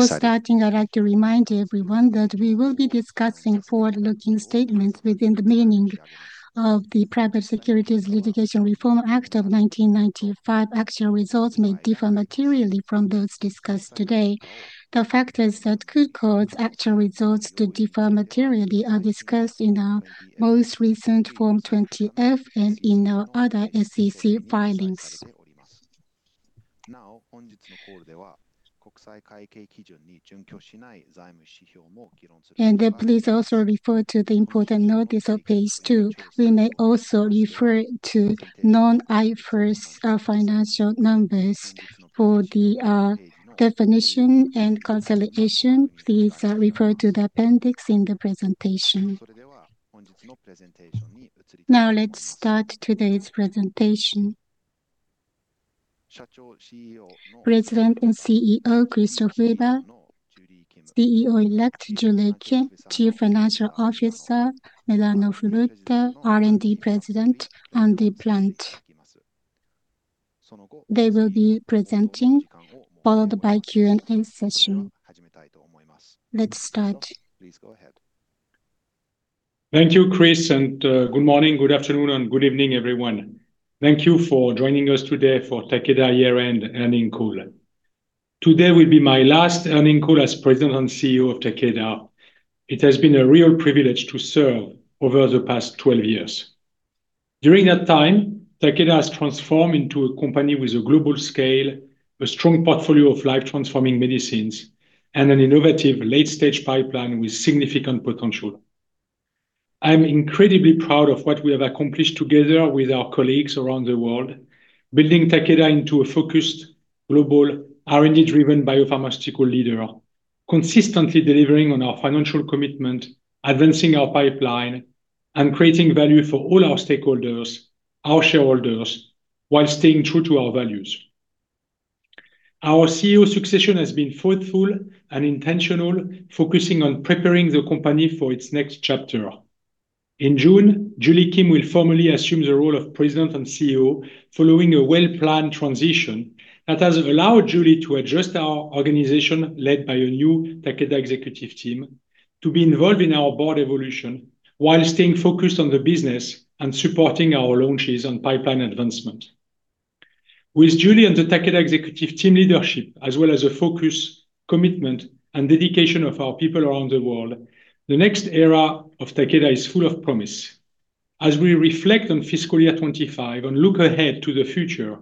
Before starting, I'd like to remind everyone that we will be discussing forward-looking statements within the meaning of the Private Securities Litigation Reform Act of 1995. Actual results may differ materially from those discussed today. The factors that could cause actual results to differ materially are discussed in our most recent Form 20-F and in our other SEC filings. Then please also refer to the important notice on page two. We may also refer to non-IFRS financial numbers. For the definition and consolidation, please refer to the appendix in the presentation. Let's start today's presentation. President and CEO, Christophe Weber; CEO-elect, Julie Kim; Chief Financial Officer, Milano Furuta; R&D President, Andrew Plump. They will be presenting, followed by Q&A session. Let's start. Please go ahead. Thank you, Chris, and good morning, good afternoon, and good evening, everyone. Thank you for joining us today for Takeda year-end earnings call. Today will be my last earnings call as President and CEO of Takeda. It has been a real privilege to serve over the past 12 years. During that time, Takeda has transformed into a company with a global scale, a strong portfolio of life-transforming medicines, and an innovative late-stage pipeline with significant potential. I'm incredibly proud of what we have accomplished together with our colleagues around the world, building Takeda into a focused global R&D-driven biopharmaceutical leader, consistently delivering on our financial commitment, advancing our pipeline, and creating value for all our stakeholders, our shareholders, while staying true to our values. Our CEO succession has been thoughtful and intentional, focusing on preparing the company for its next chapter. In June, Julie Kim will formally assume the role of President and CEO following a well-planned transition that has allowed Julie to adjust our organization led by a new Takeda Executive Team to be involved in our board evolution while staying focused on the business and supporting our launches and pipeline advancement. With Julie and the Takeda Executive Team leadership, as well as a focused commitment and dedication of our people around the world, the next era of Takeda is full of promise. As we reflect on fiscal year 2025 and look ahead to the future,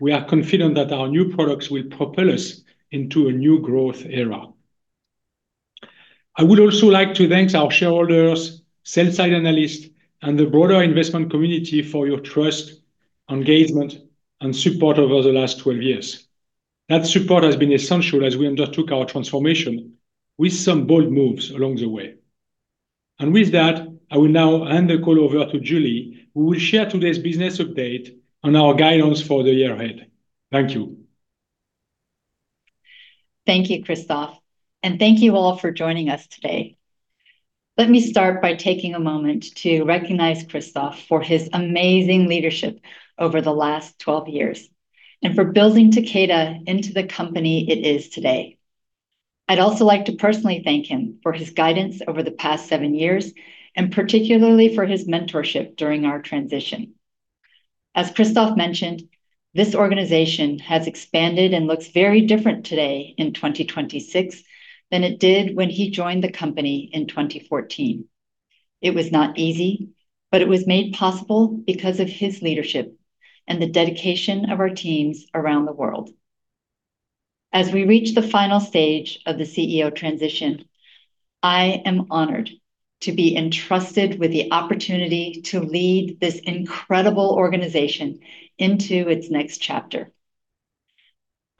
we are confident that our new products will propel us into a new growth era. I would also like to thank our shareholders, sell-side analysts, and the broader investment community for your trust, engagement, and support over the last 12 years. That support has been essential as we undertook our transformation with some bold moves along the way. With that, I will now hand the call over to Julie, who will share today's business update on our guidance for the year ahead. Thank you. Thank you, Christophe, and thank you all for joining us today. Let me start by taking a moment to recognize Christophe for his amazing leadership over the last 12 years, and for building Takeda into the company it is today. I'd also like to personally thank him for his guidance over the past seven years, and particularly for his mentorship during our transition. As Christophe mentioned, this organization has expanded and looks very different today in 2026 than it did when he joined the company in 2014. It was not easy, but it was made possible because of his leadership and the dedication of our teams around the world. As we reach the final stage of the CEO transition, I am honored to be entrusted with the opportunity to lead this incredible organization into its next chapter.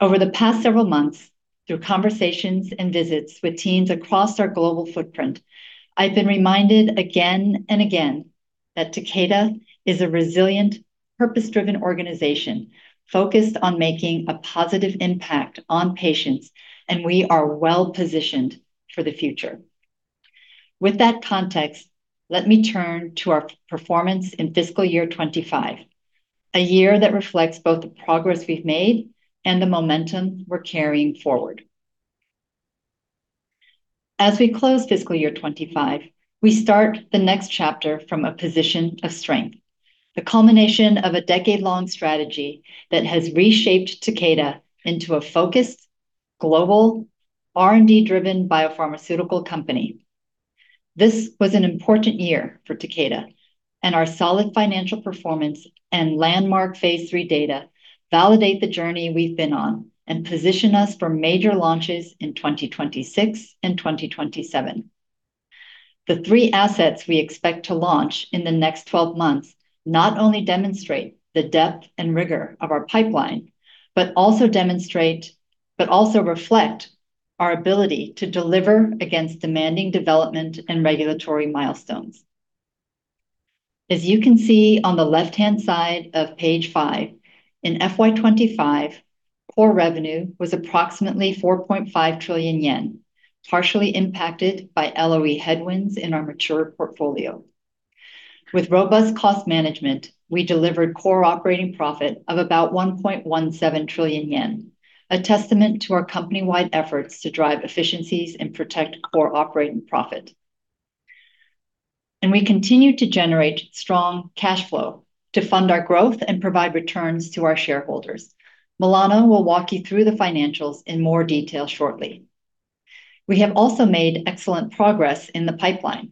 Over the past several months, through conversations and visits with teams across our global footprint, I've been reminded again and again that Takeda is a resilient, purpose-driven organization focused on making a positive impact on patients, and we are well-positioned for the future. With that context, let me turn to our performance in fiscal year 2025, a year that reflects both the progress we've made and the momentum we're carrying forward. As we close fiscal year 2025, we start the next chapter from a position of strength, the culmination of a decade-long strategy that has reshaped Takeda into a focused global R&D-driven biopharmaceutical company. This was an important year for Takeda, and our solid financial performance and landmark phase III data validate the journey we've been on and position us for major launches in 2026 and 2027. The three assets we expect to launch in the next 12 months not only demonstrate the depth and rigor of our pipeline, but also reflect our ability to deliver against demanding development and regulatory milestones. As you can see on the left-hand side of page five, in FY 2025, core revenue was approximately 4.5 trillion yen. Partially impacted by LOE headwinds in our mature portfolio. With robust cost management, we delivered core operating profit of about 1.17 trillion yen, a testament to our company-wide efforts to drive efficiencies and protect core operating profit. We continue to generate strong cash flow to fund our growth and provide returns to our shareholders. Milano will walk you through the financials in more detail shortly. We have also made excellent progress in the pipeline.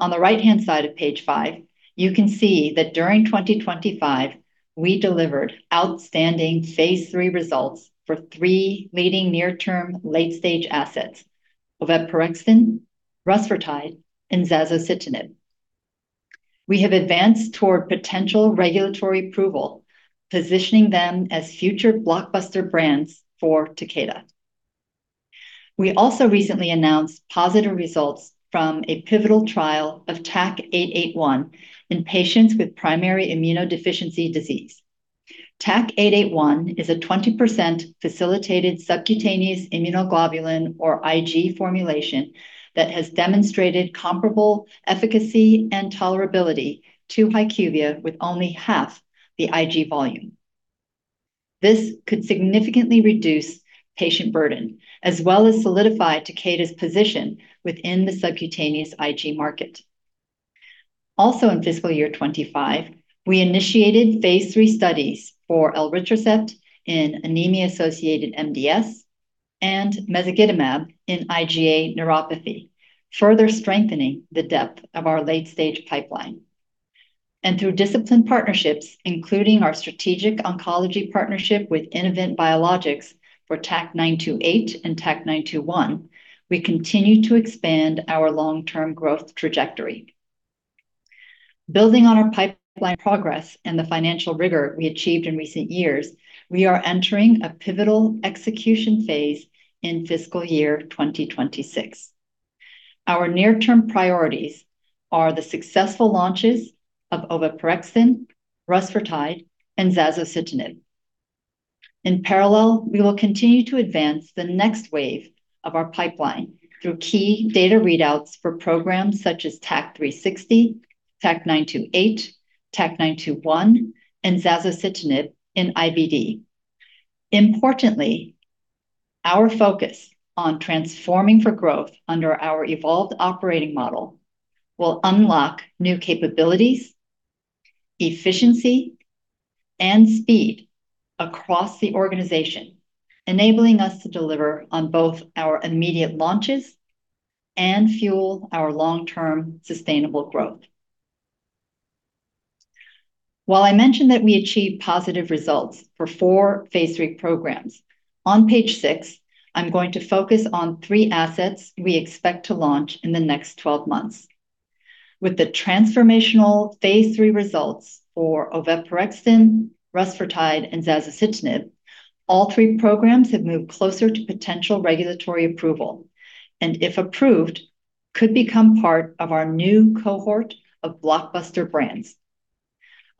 On the right-hand side of page five, you can see that during 2025, we delivered outstanding phase III results for three leading near-term late-stage assets, oveporexton, rusfertide, and zasocitinib. We have advanced toward potential regulatory approval, positioning them as future blockbuster brands for Takeda. We also recently announced positive results from a pivotal trial of TAK-881 in patients with primary immunodeficiency disease. TAK-881 is a 20% facilitated subcutaneous immunoglobulin or IG formulation that has demonstrated comparable efficacy and tolerability to HYQVIA with only half the IG volume. This could significantly reduce patient burden, as well as solidify Takeda's position within the subcutaneous IG market. Also in fiscal year 2025, we initiated phase III studies for elritercept in anemia-associated MDS and mezagitamab in IgA nephropathy, further strengthening the depth of our late-stage pipeline. Through disciplined partnerships, including our strategic oncology partnership with Innovent Biologics for TAK-928 and TAK-921, we continue to expand our long-term growth trajectory. Building on our pipeline progress and the financial rigor we achieved in recent years, we are entering a pivotal execution phase in FY 2026. Our near-term priorities are the successful launches of oveporexton, rusfertide, and zasocitinib. In parallel, we will continue to advance the next wave of our pipeline through key data readouts for programs such as TAK-360, TAK-928, TAK-921, and zasocitinib in IBD. Importantly, our focus on transforming for growth under our evolved operating model will unlock new capabilities, efficiency, and speed across the organization, enabling us to deliver on both our immediate launches and fuel our long-term sustainable growth. While I mentioned that we achieved positive results for four phase III programs, on page six, I'm going to focus on three assets we expect to launch in the next 12 months. With the transformational phase III results for oveporexton, rusfertide, and zasocitinib, all three programs have moved closer to potential regulatory approval, and if approved, could become part of our new cohort of blockbuster brands.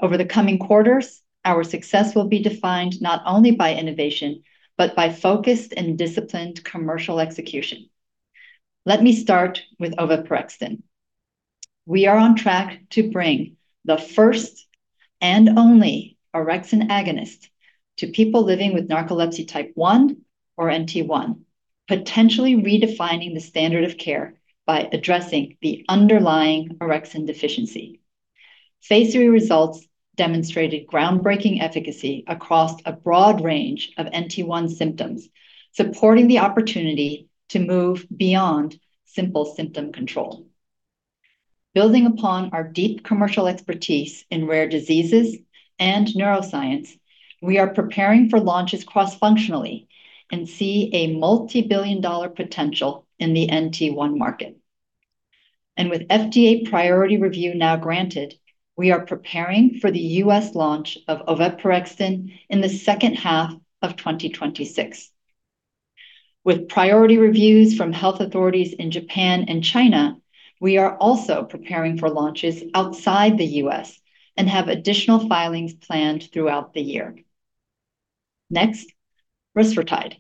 Over the coming quarters, our success will be defined not only by innovation, but by focused and disciplined commercial execution. Let me start with oveporexton. We are on track to bring the first and only orexin agonist to people living with narcolepsy type 1 or NT1, potentially redefining the standard of care by addressing the underlying orexin deficiency. Phase III results demonstrated groundbreaking efficacy across a broad range of NT1 symptoms, supporting the opportunity to move beyond simple symptom control. Building upon our deep commercial expertise in rare diseases and neuroscience, we are preparing for launches cross-functionally and see a multi-billion dollar potential in the NT1 market. With FDA priority review now granted, we are preparing for the U.S. launch of oveporexton in the second half of 2026. With priority reviews from health authorities in Japan and China, we are also preparing for launches outside the U.S. and have additional filings planned throughout the year. Next, rusfertide.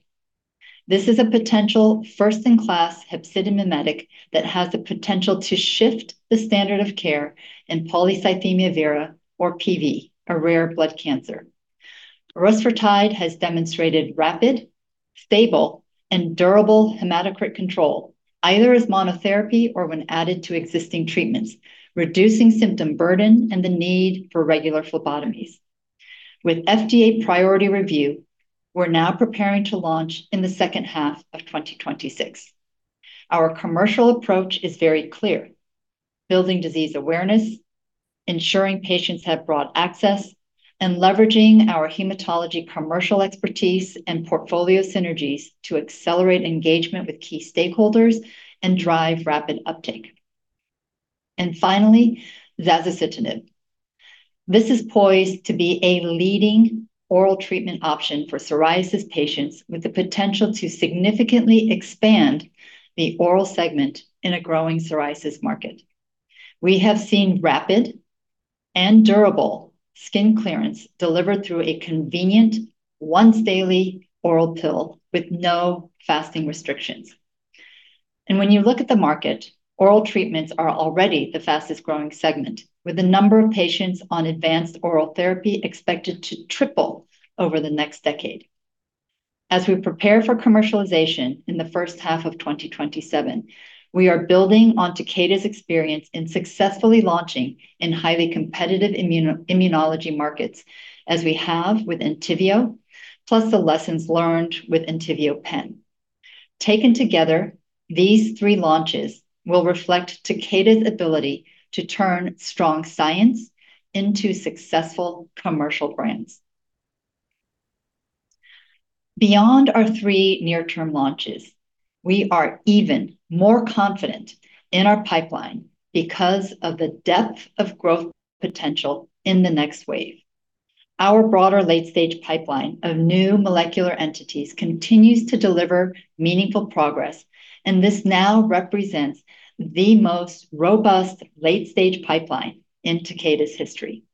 This is a potential first-in-class hepcidin mimetic that has the potential to shift the standard of care in polycythemia vera or PV, a rare blood cancer. Rusfertide has demonstrated rapid, stable, and durable hematocrit control either as monotherapy or when added to existing treatments, reducing symptom burden and the need for regular phlebotomies. With FDA priority review, we're now preparing to launch in the second half of 2026. Our commercial approach is very clear: building disease awareness, ensuring patients have broad access, and leveraging our hematology commercial expertise and portfolio synergies to accelerate engagement with key stakeholders and drive rapid uptake. Finally, zasocitinib. This is poised to be a leading oral treatment option for psoriasis patients with the potential to significantly expand the oral segment in a growing psoriasis market. We have seen rapid and durable skin clearance delivered through a convenient once-daily oral pill with no fasting restrictions. When you look at the market, oral treatments are already the fastest-growing segment, with the number of patients on advanced oral therapy expected to triple over the next decade. As we prepare for commercialization in the first half of 2027, we are building on Takeda's experience in successfully launching in highly competitive immunology markets, as we have with ENTYVIO, plus the lessons learned with ENTYVIO Pen. Taken together, these three launches will reflect Takeda's ability to turn strong science into successful commercial brands. Beyond our three near-term launches, we are even more confident in our pipeline because of the depth of growth potential in the next wave. Our broader late-stage pipeline of new molecular entities continues to deliver meaningful progress, and this now represents the most robust late-stage pipeline in Takeda's history.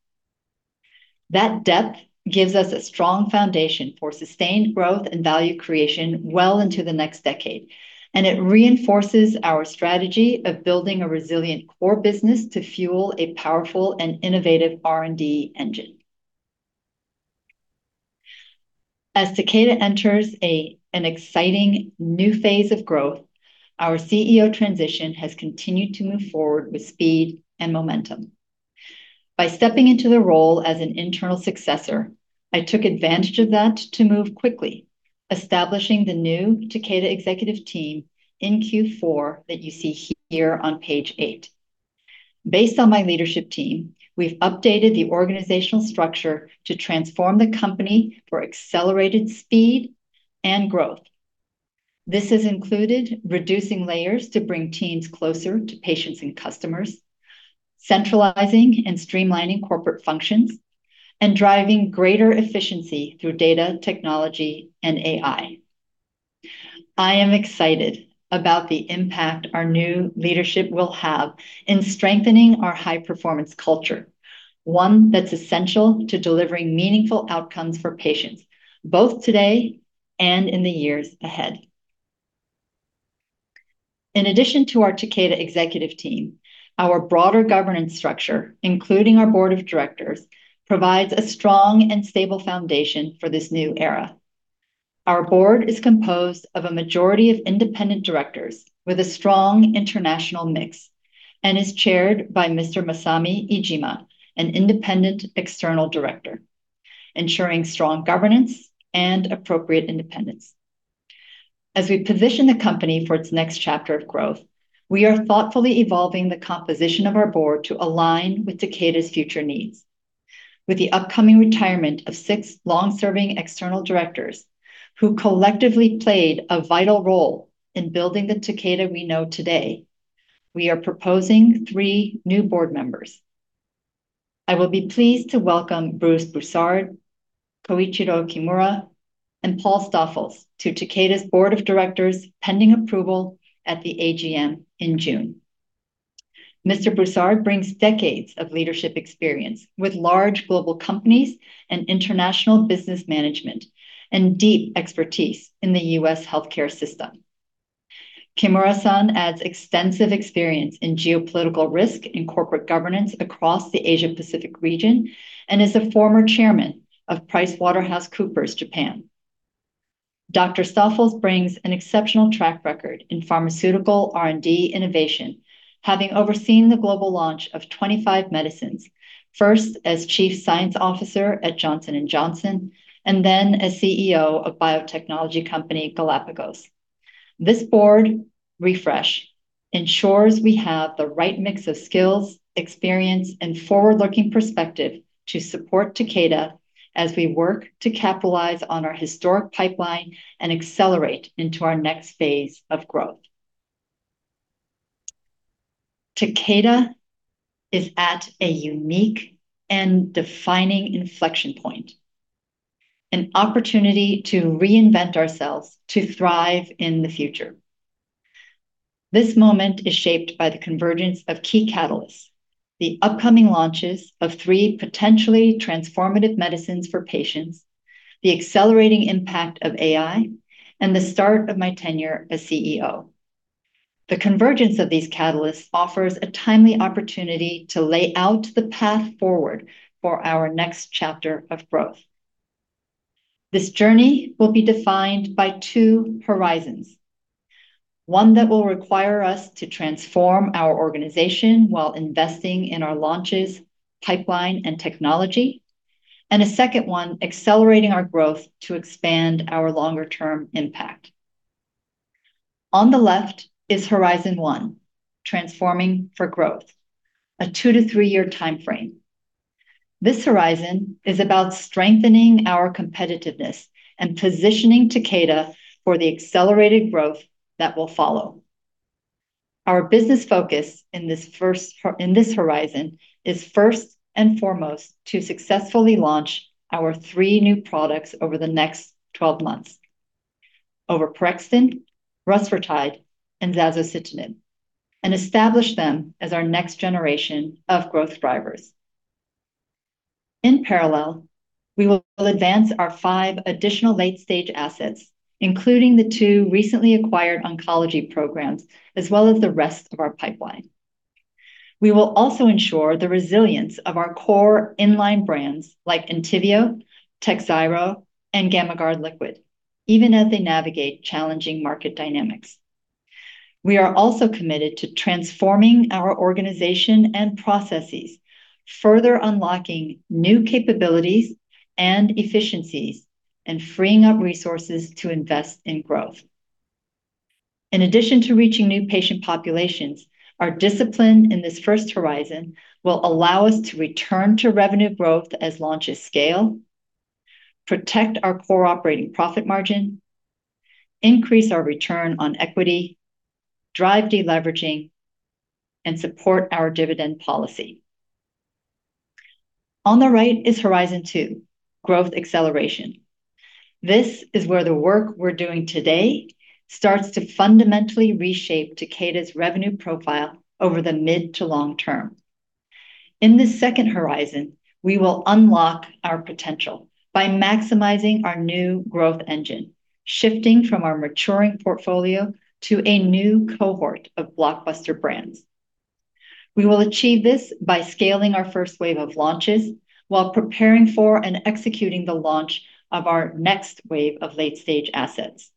That depth gives us a strong foundation for sustained growth and value creation well into the next decade, and it reinforces our strategy of building a resilient core business to fuel a powerful and innovative R&D engine. As Takeda enters an exciting new phase of growth, our CEO transition has continued to move forward with speed and momentum. By stepping into the role as an internal successor, I took advantage of that to move quickly, establishing the new Takeda Executive Team in Q4 that you see here on page eight. Based on my leadership team, we've updated the organizational structure to transform the company for accelerated speed and growth. This has included reducing layers to bring teams closer to patients and customers, centralizing and streamlining corporate functions, and driving greater efficiency through data, technology, and AI. I am excited about the impact our new leadership will have in strengthening our high-performance culture, one that's essential to delivering meaningful outcomes for patients, both today and in the years ahead. In addition to our Takeda Executive Team, our broader governance structure, including our Board of Directors, provides a strong and stable foundation for this new era. Our board is composed of a majority of independent directors with a strong international mix and is chaired by Mr. Masami Iijima, an independent External Director, ensuring strong governance and appropriate independence. As we position the company for its next chapter of growth, we are thoughtfully evolving the composition of our board to align with Takeda's future needs. With the upcoming retirement of six long-serving external directors who collectively played a vital role in building the Takeda we know today, we are proposing three new board members. I will be pleased to welcome Bruce Broussard, Koichiro Kimura, and Paul Stoffels to Takeda's Board of Directors pending approval at the AGM in June. Mr. Broussard brings decades of leadership experience with large global companies and international business management and deep expertise in the U.S. healthcare system. Kimura-san adds extensive experience in geopolitical risk and corporate governance across the Asia-Pacific region and is a former Chairman of PricewaterhouseCoopers Japan. Dr. Stoffels brings an exceptional track record in pharmaceutical R&D innovation, having overseen the global launch of 25 medicines, first as Chief Science Officer at Johnson & Johnson and then as CEO of biotechnology company Galapagos. This board refresh ensures we have the right mix of skills, experience, and forward-looking perspective to support Takeda as we work to capitalize on our historic pipeline and accelerate into our next phase of growth. Takeda is at a unique and defining inflection point, an opportunity to reinvent ourselves to thrive in the future. This moment is shaped by the convergence of key catalysts, the upcoming launches of three potentially transformative medicines for patients, the accelerating impact of AI, and the start of my tenure as CEO. The convergence of these catalysts offers a timely opportunity to lay out the path forward for our next chapter of growth. This journey will be defined by two Horizons, one that will require us to transform our organization while investing in our launches, pipeline, and technology, and a second one accelerating our growth to expand our longer-term impact. On the left is Horizon One, transforming for growth, a two to three year timeframe. This Horizon is about strengthening our competitiveness and positioning Takeda for the accelerated growth that will follow. Our business focus in this Horizon is first and foremost to successfully launch our three new products over the next 12 months. oveporexton, rusfertide, and zasocitinib, and establish them as our next-generation of growth drivers. We will advance our five additional late-stage assets, including the two recently acquired oncology programs, as well as the rest of our pipeline. We will also ensure the resilience of our core inline brands like ENTYVIO, TAKHZYRO and GAMMAGARD LIQUID, even as they navigate challenging market dynamics. We are also committed to transforming our organization and processes, further unlocking new capabilities and efficiencies, and freeing up resources to invest in growth. In addition to reaching new patient populations, our discipline in this first Horizon will allow us to return to revenue growth as launches scale, protect our Core Operating Profit margin, increase our return on equity, drive deleveraging, and support our dividend policy. On the right is Horizon Two, growth acceleration. This is where the work we're doing today starts to fundamentally reshape Takeda's revenue profile over the mid to long term. In this second Horizon, we will unlock our potential by maximizing our new growth engine, shifting from our maturing portfolio to a new cohort of blockbuster brands. We will achieve this by scaling our first wave of launches while preparing for and executing the launch of our next wave of late-stage assets.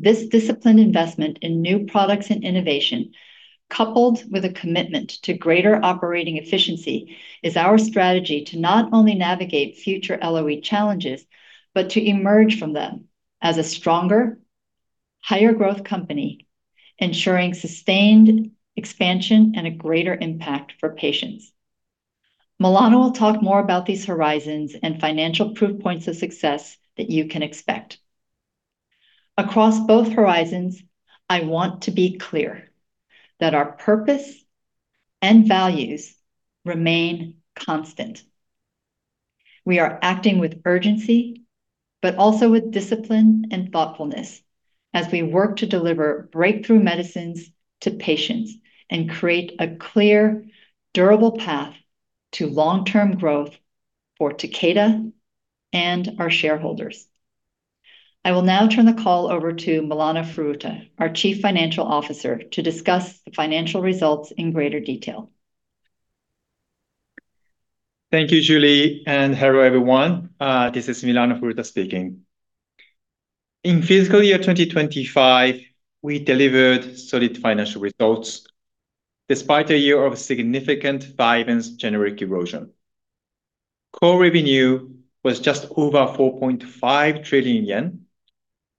This disciplined investment in new products and innovation, coupled with a commitment to greater operating efficiency, is our strategy to not only navigate future LOE challenges, but to emerge from them as a stronger, higher growth company, ensuring sustained expansion and a greater impact for patients. Milano will talk more about these Horizons and financial proof points of success that you can expect. Across both Horizons, I want to be clear that our purpose and values remain constant. We are acting with urgency, but also with discipline and thoughtfulness as we work to deliver breakthrough medicines to patients and create a clear, durable path to long-term growth for Takeda and our shareholders. I will now turn the call over to Milano Furuta, our Chief Financial Officer, to discuss the financial results in greater detail. Thank you, Julie, and hello, everyone. This is Milano Furuta speaking. In FY 2025, we delivered solid financial results despite a year of significant VYVANSE generic erosion. Core revenue was just over 4.5 trillion yen,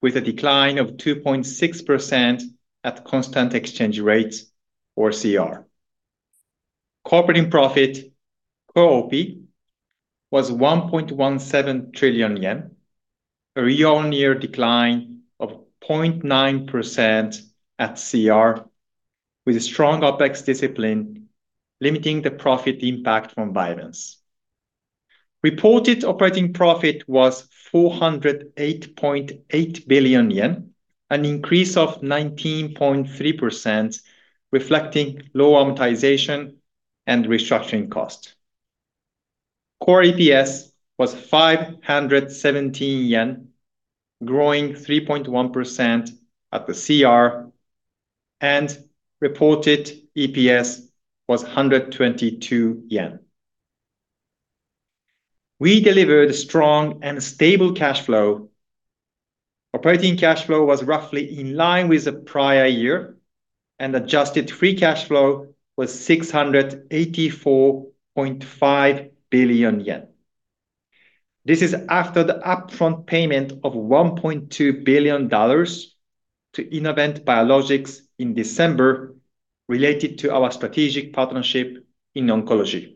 with a decline of 2.6% at constant exchange rates or CER. Core Operating Profit, Core OP, was 1.17 trillion yen, a year-on-year decline of 0.9% at CER, with strong OpEx discipline limiting the profit impact from VYVANSE. Reported operating profit was 408.8 billion yen, an increase of 19.3%, reflecting low amortization and restructuring costs. Core EPS was 517 yen, growing 3.1% at the CER, and reported EPS was 122 yen. We delivered strong and stable cash flow. Operating cash flow was roughly in line with the prior year, and adjusted free cash flow was 684.5 billion yen. This is after the upfront payment of $1.2 billion to Innovent Biologics in December related to our strategic partnership in oncology.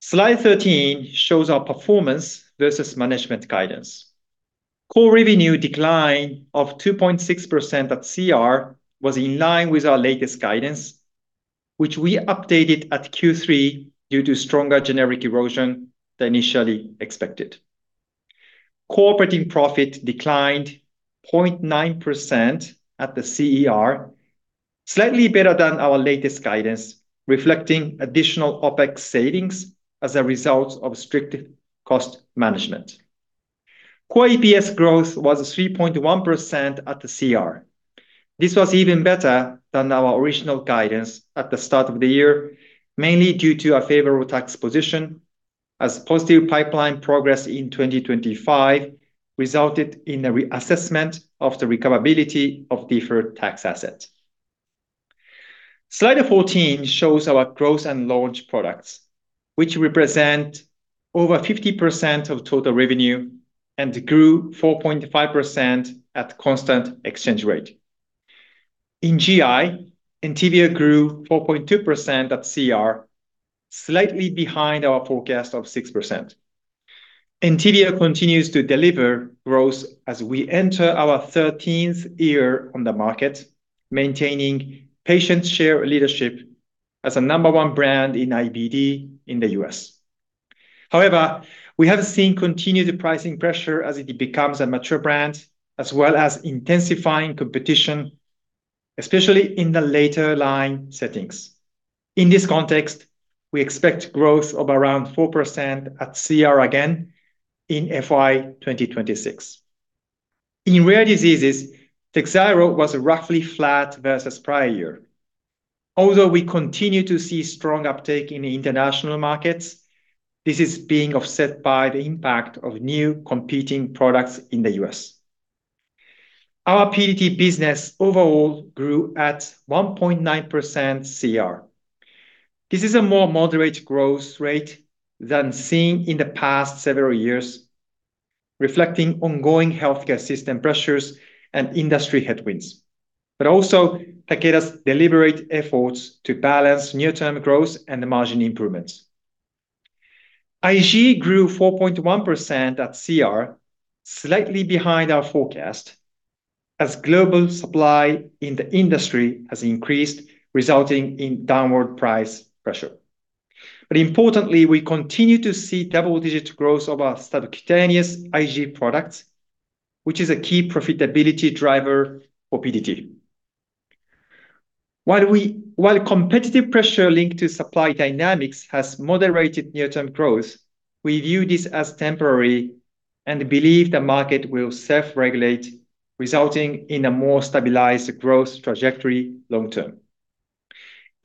Slide 13 shows our performance versus management guidance. Core revenue decline of 2.6% at CER was in line with our latest guidance, which we updated at Q3 due to stronger generic erosion than initially expected. Core profit declined 0.9% at the CER, slightly better than our latest guidance, reflecting additional OpEx savings as a result of strict cost management. Core EPS growth was 3.1% at the CER. This was even better than our original guidance at the start of the year, mainly due to a favorable tax position as positive pipeline progress in 2025 resulted in a reassessment of the recoverability of deferred tax assets. Slide 14 shows our growth and launch products, which represent over 50% of total revenue and grew 4.5% at constant exchange rate. In GI, ENTYVIO grew 4.2% at CER, slightly behind our forecast of 6%. ENTYVIO continues to deliver growth as we enter our 13th year on the market, maintaining patient share leadership as a number one brand in IBD in the U.S. We have seen continued pricing pressure as it becomes a mature brand, as well as intensifying competition, especially in the later line settings. In this context, we expect growth of around 4% at CER again in FY 2026. In rare diseases, TAKHZYRO was roughly flat versus prior year. Although we continue to see strong uptake in the international markets, this is being offset by the impact of new competing products in the U.S. Our PDT business overall grew at 1.9% CER. This is a more moderate growth rate than seen in the past several years, reflecting ongoing healthcare system pressures and industry headwinds, but also Takeda's deliberate efforts to balance near-term growth and margin improvements. IG grew 4.1% at CER, slightly behind our forecast, as global supply in the industry has increased, resulting in downward price pressure. Importantly, we continue to see double-digit growth of our subcutaneous IG products, which is a key profitability driver for PDT. While competitive pressure linked to supply dynamics has moderated near-term growth, we view this as temporary and believe the market will self-regulate, resulting in a more stabilized growth trajectory long term.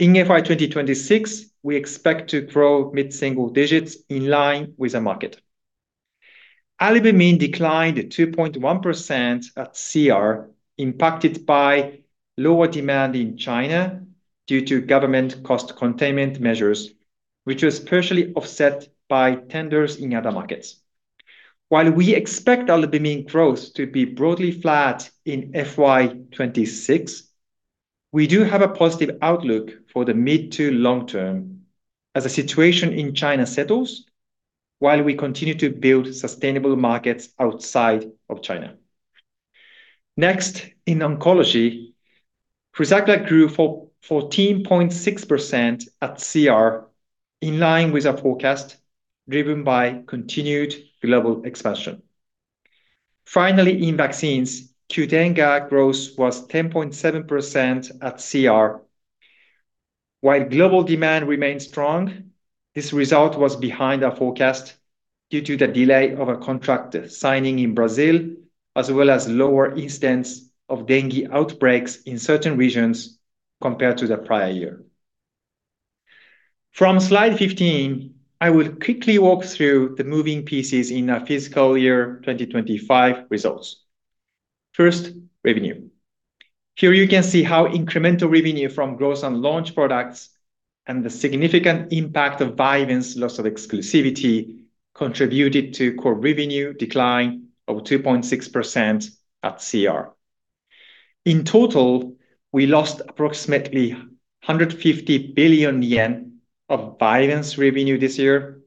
In FY 2026, we expect to grow mid-single-digits in line with the market. albumin declined 2.1% at CER, impacted by lower demand in China due to government cost containment measures, which was partially offset by tenders in other markets. While we expect albumin growth to be broadly flat in FY 2026, we do have a positive outlook for the mid to long term as the situation in China settles while we continue to build sustainable markets outside of China. Next, in oncology, FRUZAQLA grew 14.6% at CER, in line with our forecast, driven by continued global expansion. Finally, in vaccines, QDENGA growth was 10.7% at CER. While global demand remained strong, this result was behind our forecast due to the delay of a contract signing in Brazil, as well as lower instance of dengue outbreaks in certain regions compared to the prior year. From slide 15, I will quickly walk through the moving pieces in our fiscal year 2025 results. First, revenue. Here you can see how incremental revenue from growth on launch products and the significant impact of VYVANSE loss of exclusivity contributed to core revenue decline of 2.6% at CER. In total, we lost approximately 150 billion yen of VYVANSE revenue this year,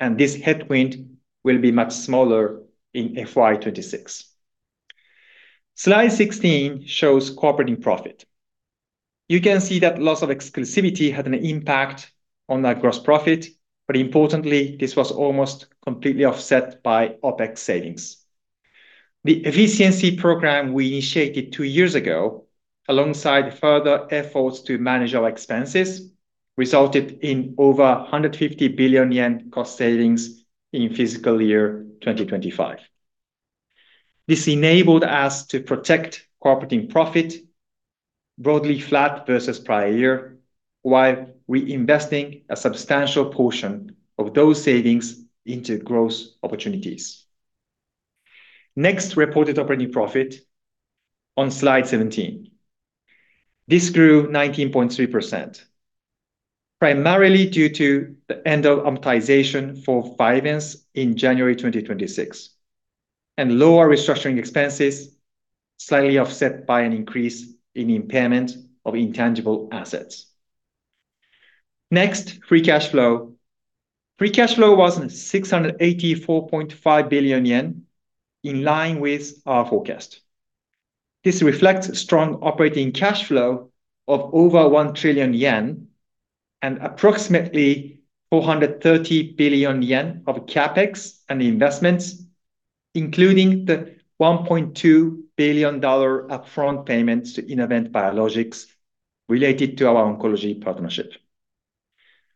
and this headwind will be much smaller in FY 2026. Slide 16 shows Core Operating Profit. You can see that loss of exclusivity had an impact on our gross profit. Importantly, this was almost completely offset by OpEx savings. The efficiency program we initiated two years ago, alongside further efforts to manage our expenses, resulted in over 150 billion yen cost savings in FY 2025. This enabled us to protect Core Operating Profit broadly flat versus prior year while reinvesting a substantial portion of those savings into growth opportunities. Next, reported operating profit on slide 17. This grew 19.3%, primarily due to the end of amortization for VYVANSE in January 2026 and lower restructuring expenses slightly offset by an increase in impairment of intangible assets. Next, free cash flow. Free cash flow was 684.5 billion yen in line with our forecast. This reflects strong operating cash flow of over 1 trillion yen and approximately 430 billion yen of CapEx and investments, including the $1.2 billion upfront payments to Innovent Biologics related to our oncology partnership.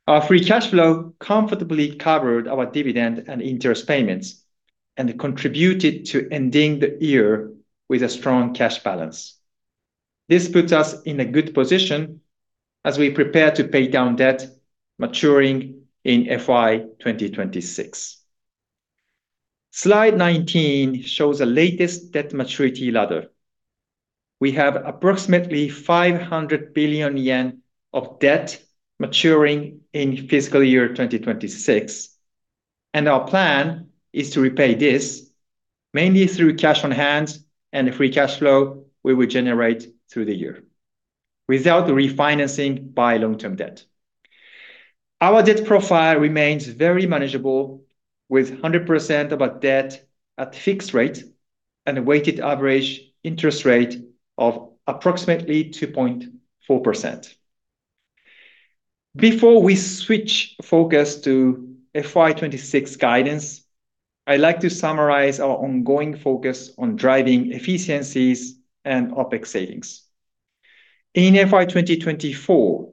Our free cash flow comfortably covered our dividend and interest payments and contributed to ending the year with a strong cash balance. This puts us in a good position as we prepare to pay down debt maturing in FY 2026. Slide 19 shows the latest debt maturity ladder. We have approximately 500 billion yen of debt maturing in FY 2026. Our plan is to repay this mainly through cash on hand and free cash flow we will generate through the year without refinancing by long-term debt. Our debt profile remains very manageable with 100% of our debt at fixed rate and a weighted average interest rate of approximately 2.4%. Before we switch focus to FY 2026 guidance, I'd like to summarize our ongoing focus on driving efficiencies and OpEx savings. In FY 2024,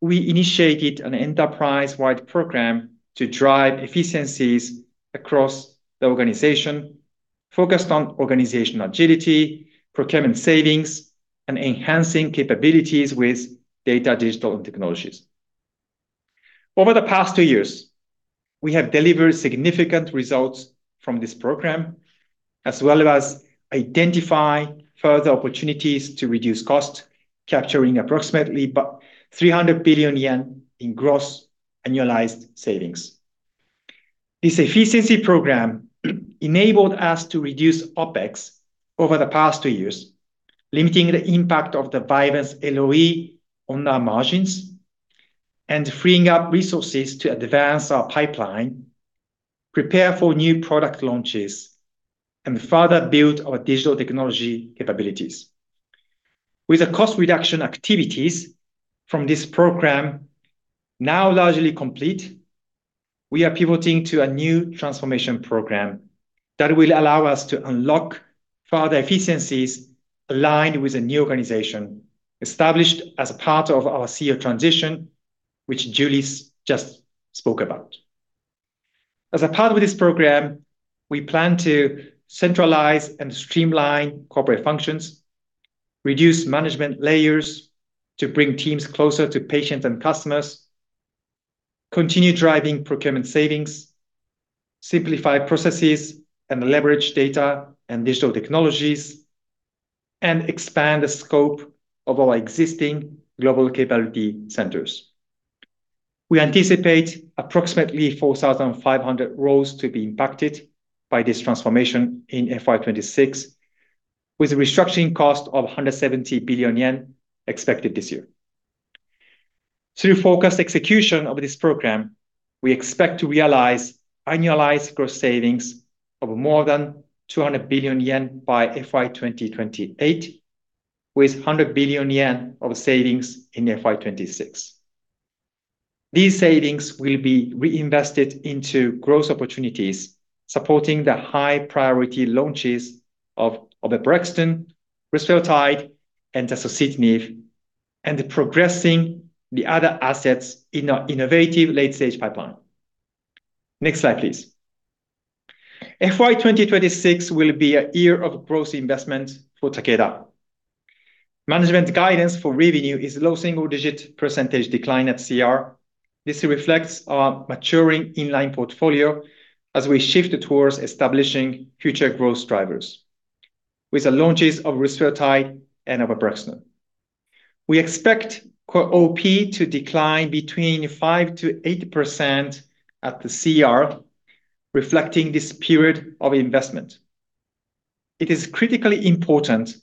we initiated an enterprise-wide program to drive efficiencies across the organization focused on organization agility, procurement savings, and enhancing capabilities with data, digital and technologies. Over the past two years, we have delivered significant results from this program, as well as identify further opportunities to reduce costs, capturing approximately 300 billion yen in gross annualized savings. This efficiency program enabled us to reduce OpEx over the past two years, limiting the impact of the VYVANSE LOE on our margins and freeing up resources to advance our pipeline, prepare for new product launches, and further build our digital technology capabilities. With the cost reduction activities from this program now largely complete, we are pivoting to a new transformation program that will allow us to unlock further efficiencies aligned with a new organization established as a part of our CEO transition, which Julie just spoke about. As a part of this program, we plan to centralize and streamline corporate functions, reduce management layers to bring teams closer to patients and customers, continue driving procurement savings, simplify processes, and leverage data and digital technologies, and expand the scope of our existing global capability centers. We anticipate approximately 4,500 roles to be impacted by this transformation in FY 2026, with a restructuring cost of 170 billion yen expected this year. Through focused execution of this program, we expect to realize annualized gross savings of more than 200 billion yen by FY 2028, with 100 billion yen of savings in FY 2026. These savings will be reinvested into growth opportunities, supporting the high priority launches of oveporexton, rusfertide, and zasocitinib, and progressing the other assets in our innovative late-stage pipeline. Next slide, please. FY 2026 will be a year of growth investment for Takeda. Management guidance for revenue is low single-digit % decline at CER. This reflects our maturing inline portfolio as we shift towards establishing future growth drivers with the launches of rusfertide and oveporexton. We expect Core OP to decline between 5%-8% at the CER, reflecting this period of investment. It is critically important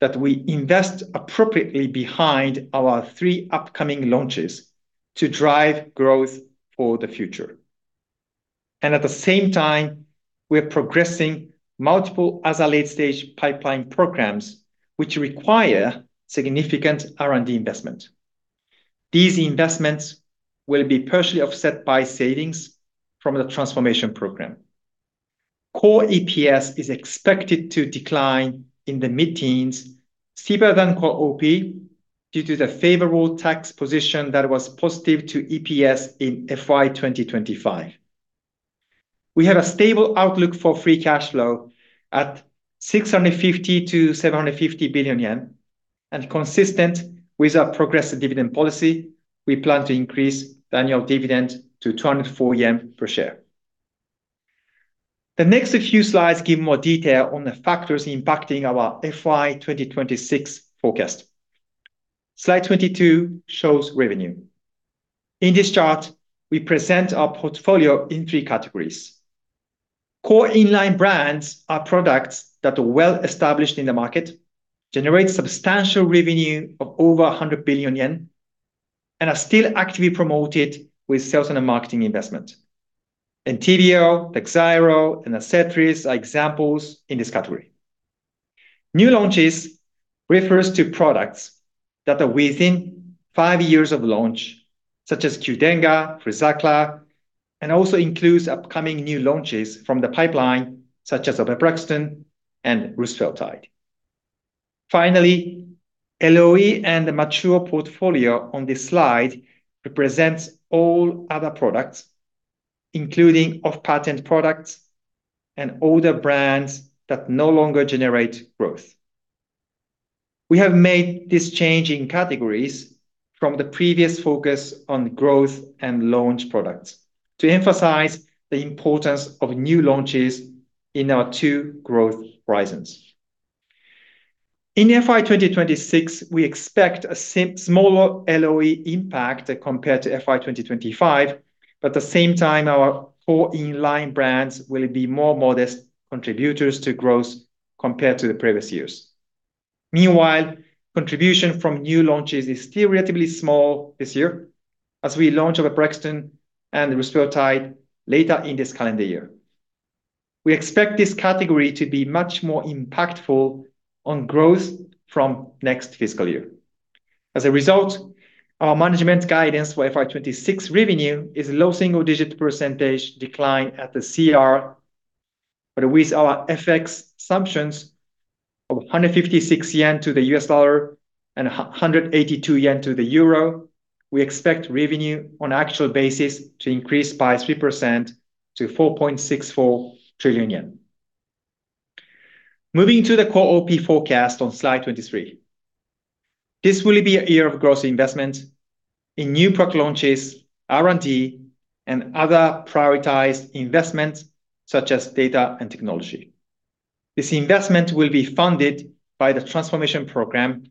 that we invest appropriately behind our three upcoming launches to drive growth for the future. At the same time, we are progressing multiple other late-stage pipeline programs which require significant R&D investment. These investments will be partially offset by savings from the transformation program. Core EPS is expected to decline in the mid-teens steeper than Core OP due to the favorable tax position that was positive to EPS in FY 2025. We have a stable outlook for free cash flow at 650 billion-750 billion yen. Consistent with our progressive dividend policy, we plan to increase annual dividend to 204 yen per share. The next few slides give more detail on the factors impacting our FY 2026 forecast. Slide 22 shows revenue. In this chart, we present our portfolio in three categories. Core inline brands are products that are well established in the market, generate substantial revenue of over 100 billion yen, and are still actively promoted with sales and marketing investment. ENTYVIO, TAKHZYRO, and ADCETRIS are examples in this category. New launches refers to products that are within five years of launch, such as QDENGA, FRUZAQLA, and also includes upcoming new launches from the pipeline, such as oveporexton and rusfertide. LOE and the mature portfolio on this slide represents all other products, including off-patent products and older brands that no longer generate growth. We have made this change in categories from the previous focus on growth and launch products to emphasize the importance of new launches in our two growth Horizons. In FY 2026, we expect a smaller LOE impact compared to FY 2025, at the same time, our core inline brands will be more modest contributors to growth compared to the previous years. Contribution from new launches is still relatively small this year as we launch oveporexton and rusfertide later in this calendar year. We expect this category to be much more impactful on growth from next fiscal year. Our management guidance for FY 2026 revenue is low single-digit percentage decline at the CER. With our FX assumptions of 156 yen to the U.S. dollar and 182 yen to the EUR, we expect revenue on actual basis to increase by 3% to 4.64 trillion yen. Moving to the Core OP forecast on slide 23. This will be a year of growth investment in new product launches, R&D, and other prioritized investments such as data and technology. This investment will be funded by the transformation program,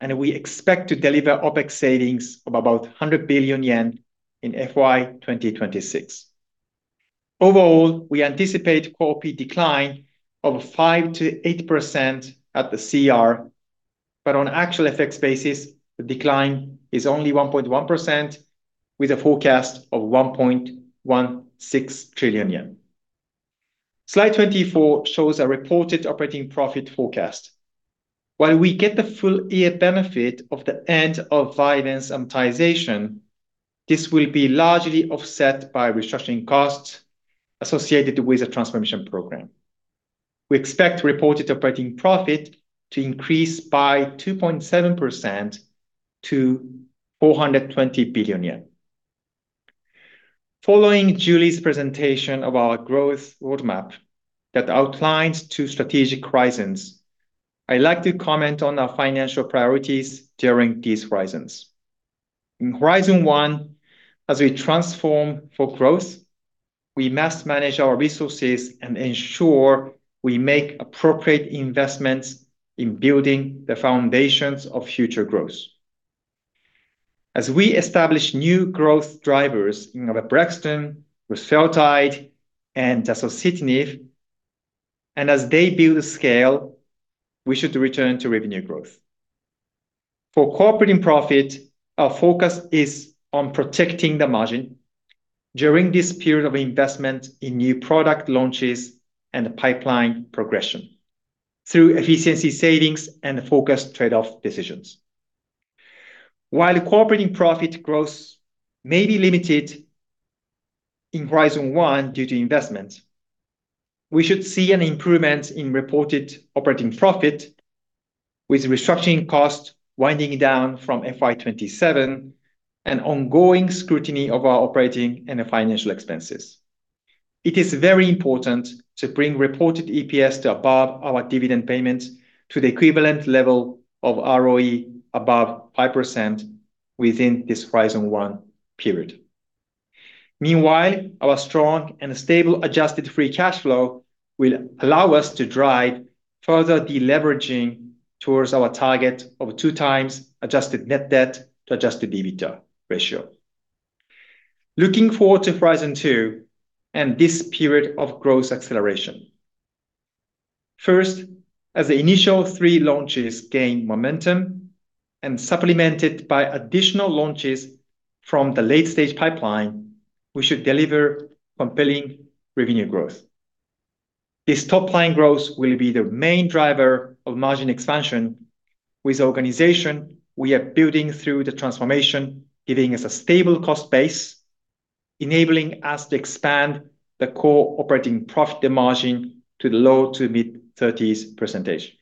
and we expect to deliver OpEx savings of about 100 billion yen in FY 2026. Overall, we anticipate Core OP decline of 5%-8% at the CER. On actual FX basis, the decline is only 1.1% with a forecast of 1.16 trillion yen. Slide 24 shows a reported operating profit forecast. While we get the full year benefit of the end of VYVANSE amortization, this will be largely offset by restructuring costs associated with the transformation program. We expect reported operating profit to increase by 2.7% to JPY 420 billion. Following Julie's presentation of our growth roadmap that outlines two strategic Horizons, I'd like to comment on our financial priorities during these Horizons. In Horizon One, as we transform for growth, we must manage our resources and ensure we make appropriate investments in building the foundations of future growth. As we establish new growth drivers in oveporexton, rusfertide, and zasocitinib, and as they build scale, we should return to revenue growth. For Core Operating Profit, our focus is on protecting the margin during this period of investment in new product launches and pipeline progression through efficiency savings and focused trade-off decisions. While the Core Operating Profit growth may be limited in Horizon One due to investment, we should see an improvement in reported operating profit with restructuring costs winding down from FY 2027 and ongoing scrutiny of our operating and financial expenses. It is very important to bring reported EPS to above our dividend payments to the equivalent level of ROE above 5% within this Horizon One period. Our strong and stable adjusted free cash flow will allow us to drive further deleveraging towards our target of two times adjusted net debt-to-Adjusted EBITDA ratio. Looking forward to Horizon Two and this period of growth acceleration. As the initial three launches gain momentum and supplemented by additional launches from the late-stage pipeline, we should deliver compelling revenue growth. This top-line growth will be the main driver of margin expansion with the organization we are building through the transformation, giving us a stable cost base, enabling us to expand the Core Operating Profit margin to the low to mid-30s percentage.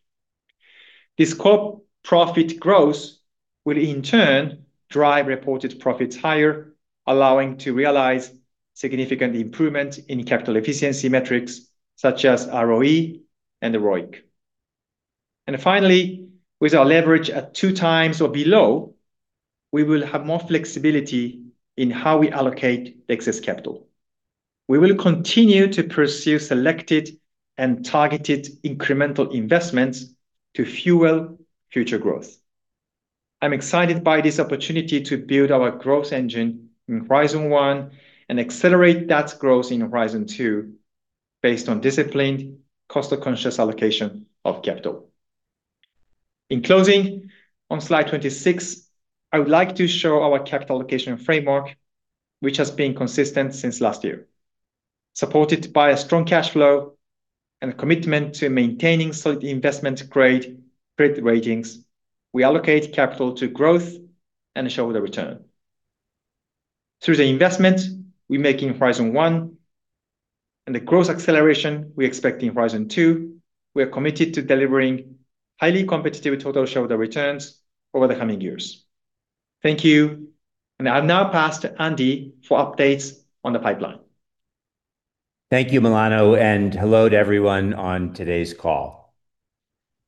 Finally, with our leverage at two times or below, we will have more flexibility in how we allocate excess capital. We will continue to pursue selected and targeted incremental investments to fuel future growth. I'm excited by this opportunity to build our growth engine in Horizon One and accelerate that growth in Horizon Two based on disciplined cost conscious allocation of capital. In closing, on slide 26, I would like to show our capital allocation framework, which has been consistent since last year. Supported by a strong cash flow and a commitment to maintaining solid investment grade credit ratings, we allocate capital to growth and shareholder return. Through the investment we make in Horizon One and the growth acceleration we expect in Horizon Two, we are committed to delivering highly competitive total shareholder returns over the coming years. Thank you. I'll now pass to Andy for updates on the pipeline. Thank you, Milano, and hello to everyone on today's call.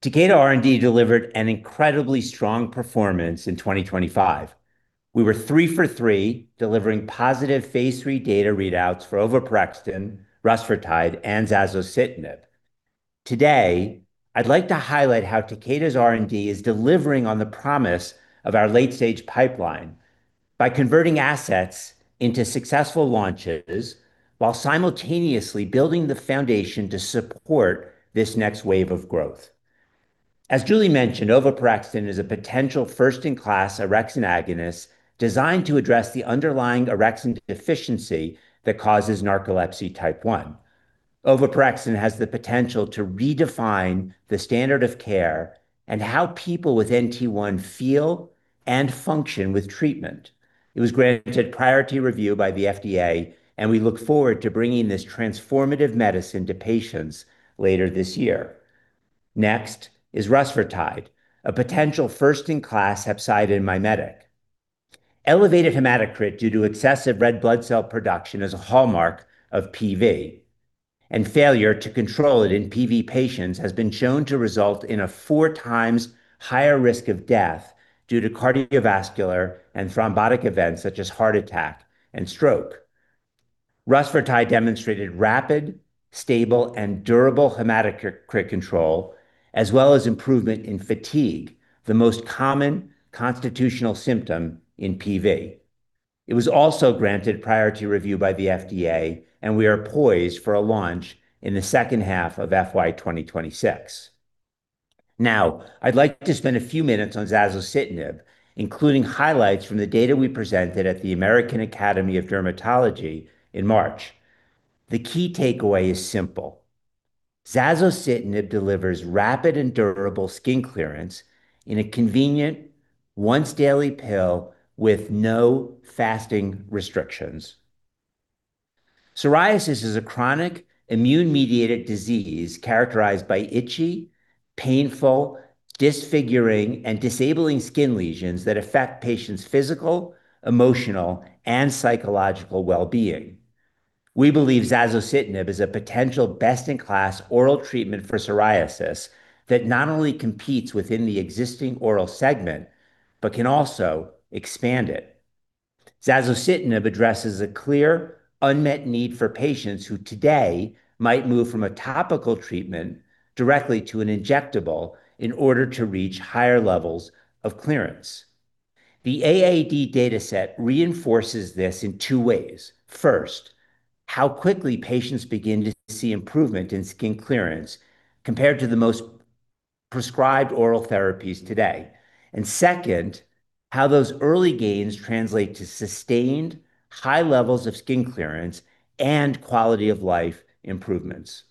Takeda R&D delivered an incredibly strong performance in 2025. We were three for three, delivering positive phase III data readouts for oveporexton, rusfertide and zasocitinib. Today, I'd like to highlight how Takeda's R&D is delivering on the promise of our late-stage pipeline. By converting assets into successful launches while simultaneously building the foundation to support this next wave of growth. As Julie mentioned, oveporexton is a potential first-in-class orexin agonist designed to address the underlying orexin deficiency that causes narcolepsy type 1. oveporexton has the potential to redefine the standard of care and how people with NT1 feel and function with treatment. It was granted priority review by the FDA, and we look forward to bringing this transformative medicine to patients later this year. Next is rusfertide, a potential first-in-class hepcidin mimetic. Elevated hematocrit due to excessive red blood cell production is a hallmark of PV, and failure to control it in PV patients has been shown to result in a 4 times higher risk of death due to cardiovascular and thrombotic events such as heart attack and stroke. Rusfertide demonstrated rapid, stable, and durable hematocrit control, as well as improvement in fatigue, the most common constitutional symptom in PV. It was also granted priority review by the FDA, and we are poised for a launch in the second half of FY 2026. Now, I'd like to spend a few minutes on zasocitinib, including highlights from the data we presented at the American Academy of Dermatology in March. The key takeaway is simple. zasocitinib delivers rapid and durable skin clearance in a convenient once-daily pill with no fasting restrictions. Psoriasis is a chronic immune-mediated disease characterized by itchy, painful, disfiguring, and disabling skin lesions that affect patients' physical, emotional, and psychological well-being. We believe zasocitinib is a potential best-in-class oral treatment for psoriasis that not only competes within the existing oral segment, but can also expand it. zasocitinib addresses a clear unmet need for patients who today might move from a topical treatment directly to an injectable in order to reach higher levels of clearance. The AAD dataset reinforces this in two ways. First, how quickly patients begin to see improvement in skin clearance compared to the most prescribed oral therapies today. Second, how those early gains translate to sustained high levels of skin clearance and quality of life improvements.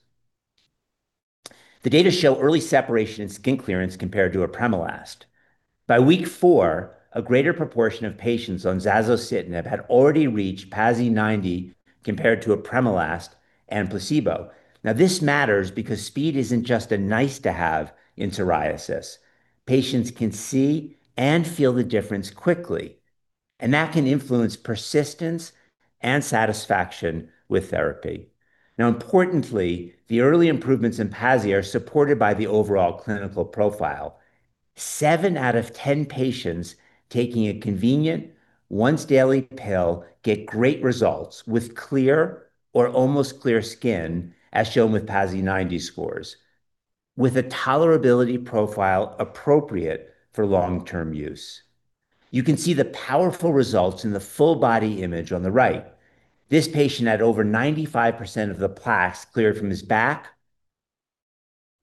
The data show early separation in skin clearance compared to apremilast. By week four, a greater proportion of patients on zasocitinib had already reached PASI 90 compared to apremilast and placebo. This matters because speed isn't just a nice-to-have in psoriasis. Patients can see and feel the difference quickly, and that can influence persistence and satisfaction with therapy. Importantly, the early improvements in PASI are supported by the overall clinical profile. Seven out of 10 patients taking a convenient once-daily pill get great results with clear or almost clear skin, as shown with PASI 90 scores, with a tolerability profile appropriate for long-term use. You can see the powerful results in the full body image on the right. This patient had over 95% of the plaques cleared from his back,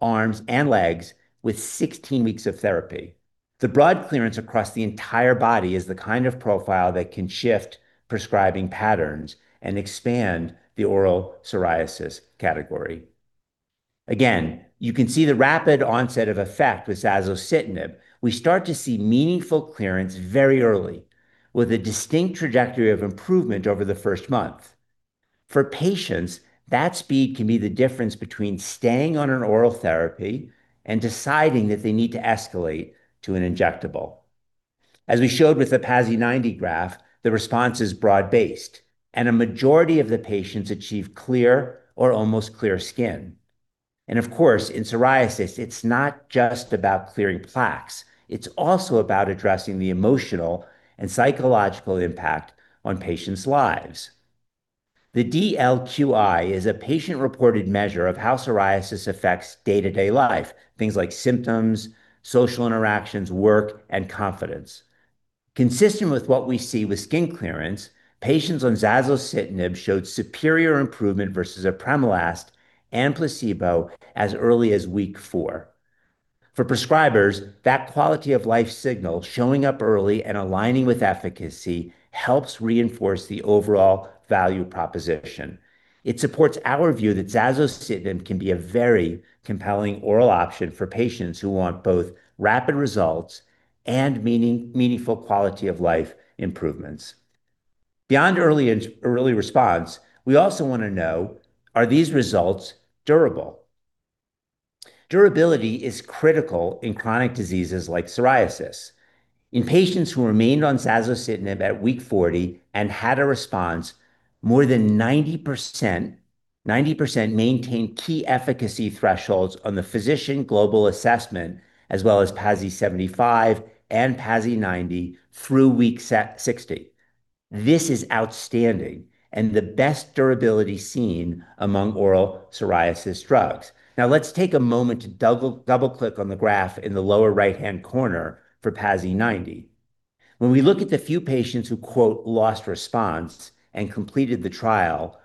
arms, and legs with 16 weeks of therapy. The broad clearance across the entire body is the kind of profile that can shift prescribing patterns and expand the oral psoriasis category. Again, you can see the rapid onset of effect with zasocitinib. We start to see meaningful clearance very early, with a distinct trajectory of improvement over the first month. For patients, that speed can be the difference between staying on an oral therapy and deciding that they need to escalate to an injectable. As we showed with the PASI 90 graph, the response is broad-based, and a majority of the patients achieve clear or almost clear skin. Of course, in psoriasis, it's not just about clearing plaques. It's also about addressing the emotional and psychological impact on patients' lives. The DLQI is a patient-reported measure of how psoriasis affects day-to-day life, things like symptoms, social interactions, work, and confidence. Consistent with what we see with skin clearance, patients on zasocitinib showed superior improvement versus apremilast and placebo as early as week four. For prescribers, that quality-of-life signal showing up early and aligning with efficacy helps reinforce the overall value proposition. It supports our view that zasocitinib can be a very compelling oral option for patients who want both rapid results and meaningful quality-of-life improvements. Beyond early response, we also want to know, are these results durable? Durability is critical in chronic diseases like psoriasis. In patients who remained on zasocitinib at week 40 and had a response, more than 90% maintained key efficacy thresholds on the physician global assessment as well as PASI 75 and PASI 90 through week 60. This is outstanding and the best durability seen among oral psoriasis drugs. Let's take a moment to double-click on the graph in the lower right-hand corner for PASI 90. When we look at the few patients who, quote, "lost response" and completed the trial,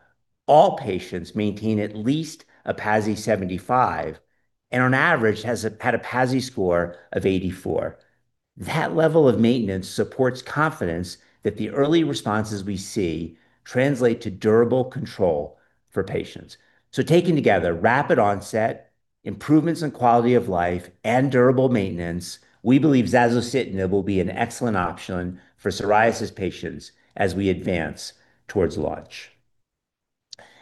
all patients maintain at least a PASI 75, and on average had a PASI score of 84. That level of maintenance supports confidence that the early responses we see translate to durable control for patients. Taken together, rapid onset, improvements in quality of life, and durable maintenance, we believe zasocitinib will be an excellent option for psoriasis patients as we advance towards launch.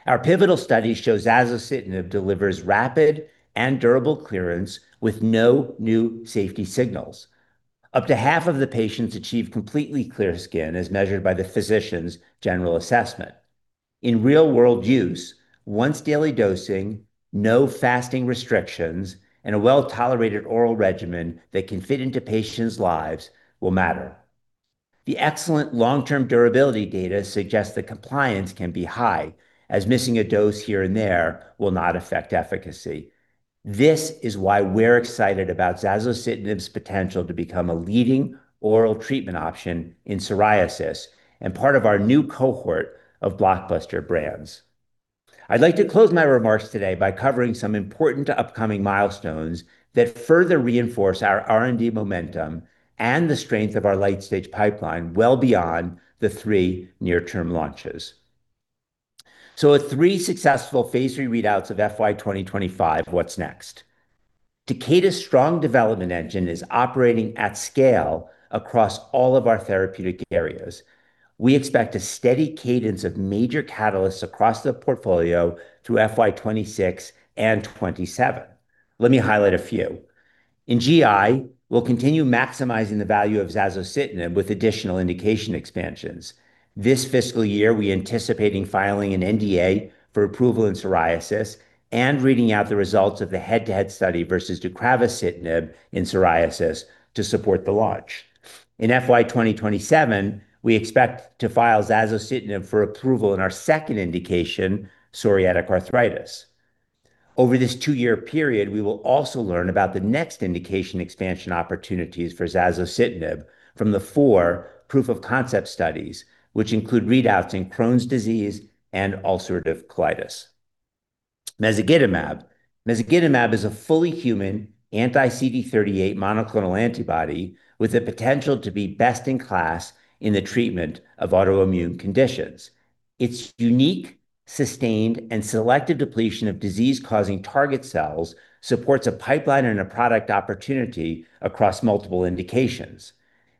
Our pivotal study shows zasocitinib delivers rapid and durable clearance with no new safety signals. Up to half of the patients achieve completely clear skin as measured by the physician global assessment. In real-world use, once-daily dosing, no fasting restrictions, and a well-tolerated oral regimen that can fit into patients' lives will matter. The excellent long-term durability data suggests that compliance can be high, as missing a dose here and there will not affect efficacy. This is why we're excited about zasocitinib's potential to become a leading oral treatment option in psoriasis and part of our new cohort of blockbuster brands. I'd like to close my remarks today by covering some important upcoming milestones that further reinforce our R&D momentum and the strength of our late-stage pipeline well beyond the three near-term launches. With three successful phase III readouts of FY 2025, what's next? Takeda's strong development engine is operating at scale across all of our therapeutic areas. We expect a steady cadence of major catalysts across the portfolio through FY 2026 and 2027. Let me highlight a few. In GI, we will continue maximizing the value of zasocitinib with additional indication expansions. This fiscal year, we anticipating filing an NDA for approval in psoriasis and reading out the results of the head-to-head study versus deucravacitinib in psoriasis to support the launch. In FY 2027, we expect to file zasocitinib for approval in our second indication, psoriatic arthritis. Over this two-year period, we will also learn about the next indication expansion opportunities for zasocitinib from the four proof-of-concept studies, which include readouts in Crohn's disease and ulcerative colitis. Mezagitamab. Mezagitamab is a fully human anti-CD38 monoclonal antibody with the potential to be best in class in the treatment of autoimmune conditions. Its unique, sustained, and selective depletion of disease-causing target cells supports a pipeline and a product opportunity across multiple indications.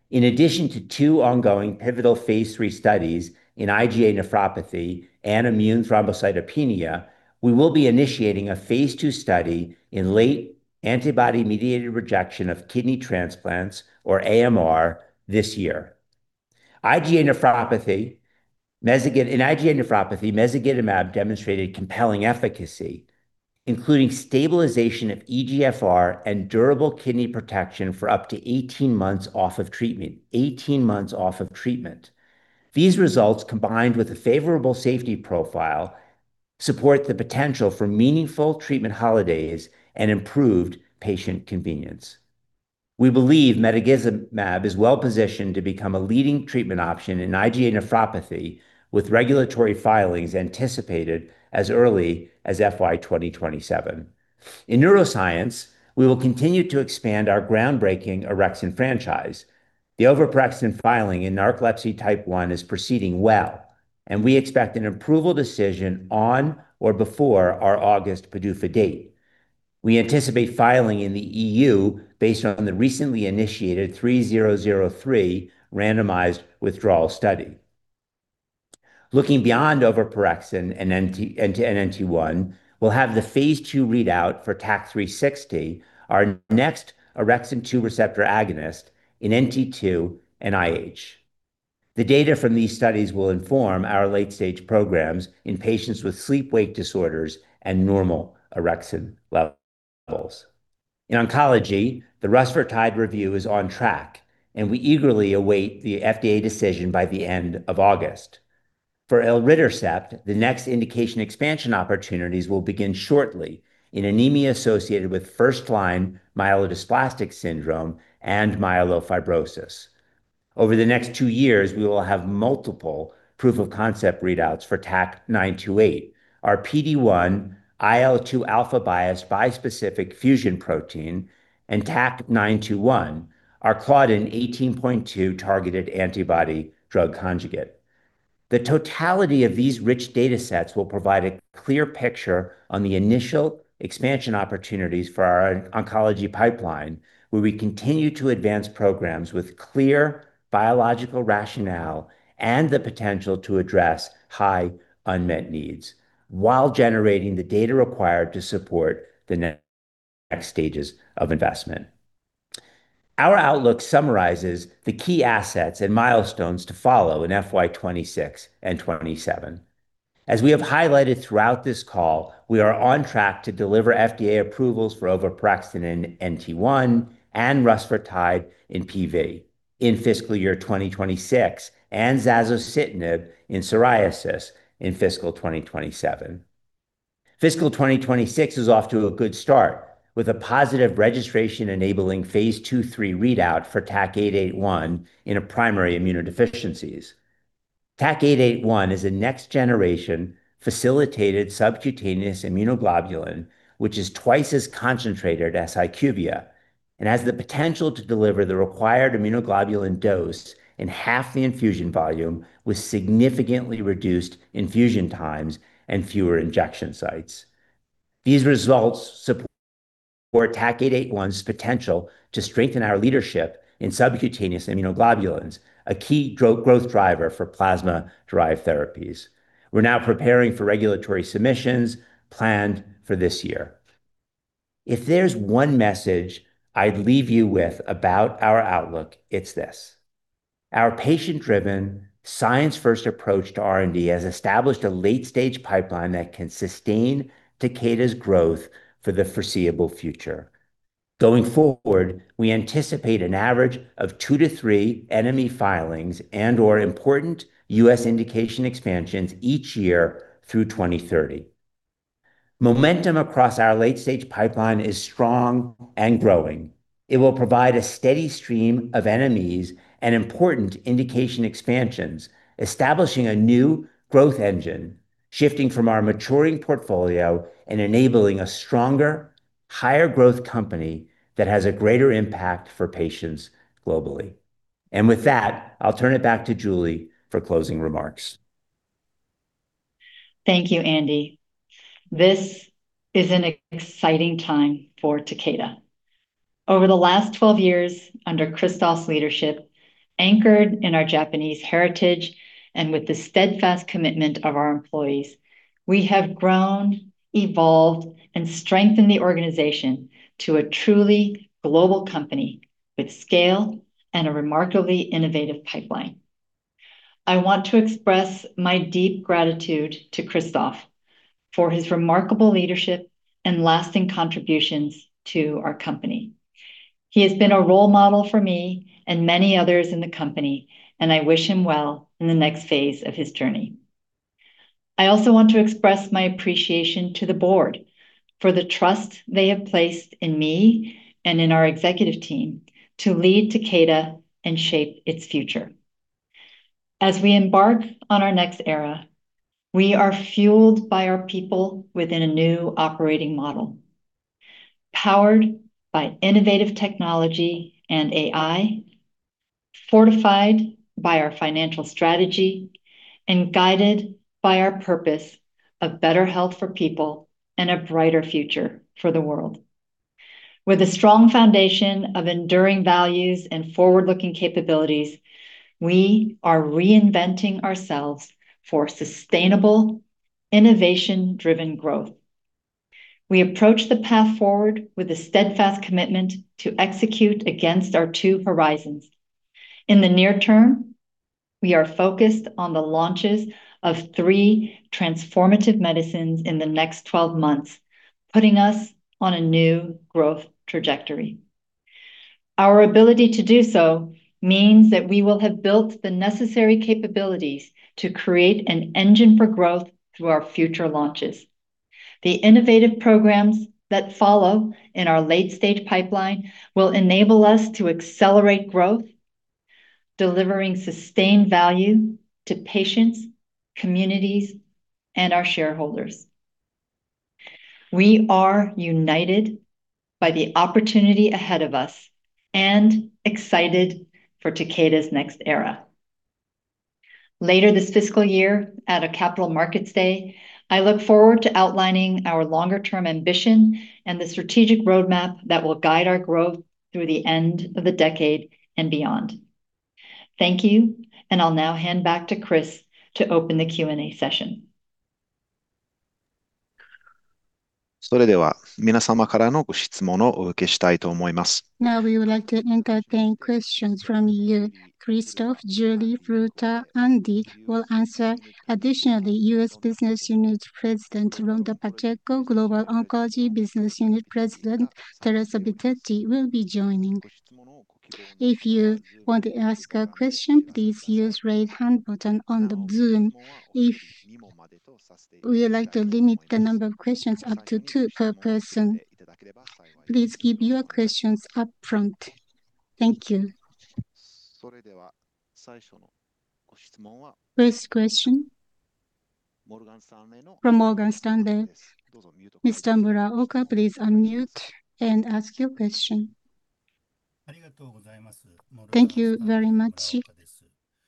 In addition to two ongoing pivotal phase III studies in IgA nephropathy and immune thrombocytopenia, we will be initiating a phase II study in late antibody-mediated rejection of kidney transplants, or AMR, this year. In IgA nephropathy, mezagitamab demonstrated compelling efficacy, including stabilization of eGFR and durable kidney protection for up to 18 months off of treatment. 18 months off of treatment. These results, combined with a favorable safety profile, support the potential for meaningful treatment holidays and improved patient convenience. We believe mezagitamab is well-positioned to become a leading treatment option in IgA nephropathy, with regulatory filings anticipated as early as FY 2027. In neuroscience, we will continue to expand our groundbreaking orexin franchise. The oveporexton filing in narcolepsy type 1 is proceeding well, and we expect an approval decision on or before our August PDUFA date. We anticipate filing in the EU based on the recently initiated 3003 randomized withdrawal study. Looking beyond oveporexton and NT1, we'll have the phase II readout for TAK-360, our next orexin-two receptor agonist in NT2 and IH. The data from these studies will inform our late-stage programs in patients with sleep-wake disorders and normal orexin levels. In oncology, the rusfertide review is on track, and we eagerly await the FDA decision by the end of August. For elritercept, the next indication expansion opportunities will begin shortly in anemia associated with first-line myelodysplastic syndrome and myelofibrosis. Over the next two years, we will have multiple proof-of-concept readouts for TAK-928, our PD-1/IL-2 alpha-biased bispecific fusion protein, and TAK-921, our Claudin 18.2 targeted antibody-drug conjugate. The totality of these rich datasets will provide a clear picture on the initial expansion opportunities for our oncology pipeline, where we continue to advance programs with clear biological rationale and the potential to address high unmet needs while generating the data required to support the next stages of investment. Our outlook summarizes the key assets and milestones to follow in FY 2026 and 2027. As we have highlighted throughout this call, we are on track to deliver FDA approvals for oveporexton in NT 1 and rusfertide in PV in fiscal year 2026, and zasocitinib in psoriasis in fiscal 2027. Fiscal 2026 is off to a good start with a positive registration-enabling phase II/III readout for TAK-881 in a primary immunodeficiencies. TAK-881 is a next-generation facilitated subcutaneous immunoglobulin which is two times as concentrated as HYQVIA and has the potential to deliver the required immunoglobulin dose in half the infusion volume with significantly reduced infusion times and fewer injection sites. These results support TAK-881's potential to strengthen our leadership in subcutaneous immunoglobulins, a key growth driver for plasma-derived therapies. We're now preparing for regulatory submissions planned for this year. If there's one message I'd leave you with about our outlook, it's this: Our patient-driven, science-first approach to R&D has established a late-stage pipeline that can sustain Takeda's growth for the foreseeable future. Going forward, we anticipate an average of two to three NME filings and/or important U.S. indication expansions each year through 2030. Momentum across our late-stage pipeline is strong and growing. It will provide a steady stream of NMEs and important indication expansions, establishing a new growth engine shifting from our maturing portfolio and enabling a stronger, higher-growth company that has a greater impact for patients globally. With that, I'll turn it back to Julie for closing remarks. Thank you, Andy. This is an exciting time for Takeda. Over the last 12 years under Christophe's leadership, anchored in our Japanese heritage and with the steadfast commitment of our employees, we have grown, evolved and strengthened the organization to a truly global company with scale and a remarkably innovative pipeline. I want to express my deep gratitude to Christophe for his remarkable leadership and lasting contributions to our company. He has been a role model for me and many others in the company, and I wish him well in the next phase of his journey. I also want to express my appreciation to the board for the trust they have placed in me and in our Executive Team to lead Takeda and shape its future. As we embark on our next era, we are fueled by our people within a new operating model, powered by innovative technology and AI, fortified by our financial strategy, and guided by our purpose of better health for people and a brighter future for the world. With a strong foundation of enduring values and forward-looking capabilities, we are reinventing ourselves for sustainable innovation-driven growth. We approach the path forward with a steadfast commitment to execute against our two Horizons. In the near term, we are focused on the launches of three transformative medicines in the next 12 months, putting us on a new growth trajectory. Our ability to do so means that we will have built the necessary capabilities to create an engine for growth through our future launches. The innovative programs that follow in our late-stage pipeline will enable us to accelerate growth, delivering sustained value to patients, communities and our shareholders. We are united by the opportunity ahead of us and excited for Takeda's next era. Later this fiscal year at a Capital Markets Day, I look forward to outlining our longer-term ambition and the strategic roadmap that will guide our growth through the end of the decade and beyond. Thank you. I'll now hand back to Chris to open the Q&A session. We would like to entertain questions from you. Christophe, Julie, Furuta, Andy will answer. Additionally, U.S. Business Unit President Rhonda Pacheco, Global Oncology Business Unit President Teresa Bitetti will be joining. If you want to ask a question, please use raise hand button on the Zoom. We would like to limit the number of questions up to two per person. Please give your questions upfront. Thank you. First question from Morgan Stanley. Mr. Muraoka, please unmute and ask your question. Thank you very much.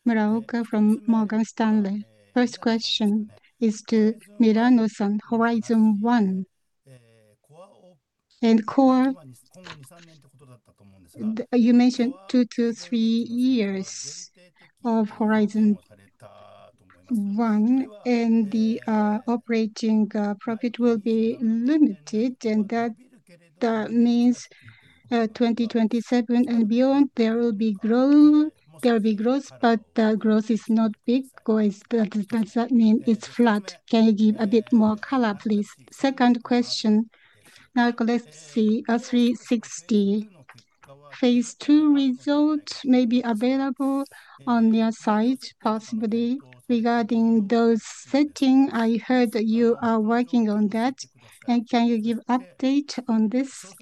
Muraoka] from Morgan Stanley. First question is to Milano-san, Horizon One. In core, you mentioned two to three years of Horizon One, and the operating profit will be limited, and that means 2027 and beyond there will be growth, but the growth is not big or does that mean it's flat? Can you give a bit more color, please? Second question. Now let's see, TAK-360. Phase II result may be available on their site possibly. Regarding dose setting, I heard that you are working on that. Can you give update on this?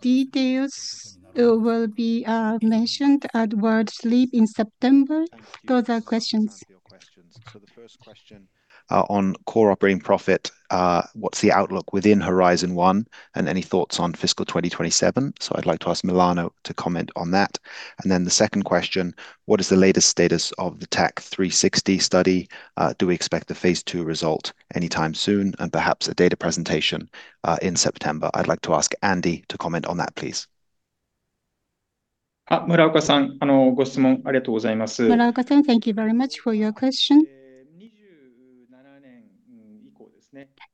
Details will be mentioned at World Sleep in September. Those are questions. Thank you. To answer your questions. The first question on Core Operating Profit, what's the outlook within Horizon One, and any thoughts on fiscal 2027. I'd like to ask Milano to comment on that. The second question, what is the latest status of the TAK-360 study? Do we expect the phase II result anytime soon, and perhaps a data presentation in September? I'd like to ask Andy to comment on that, please. Muraoka-san, thank you very much for your question.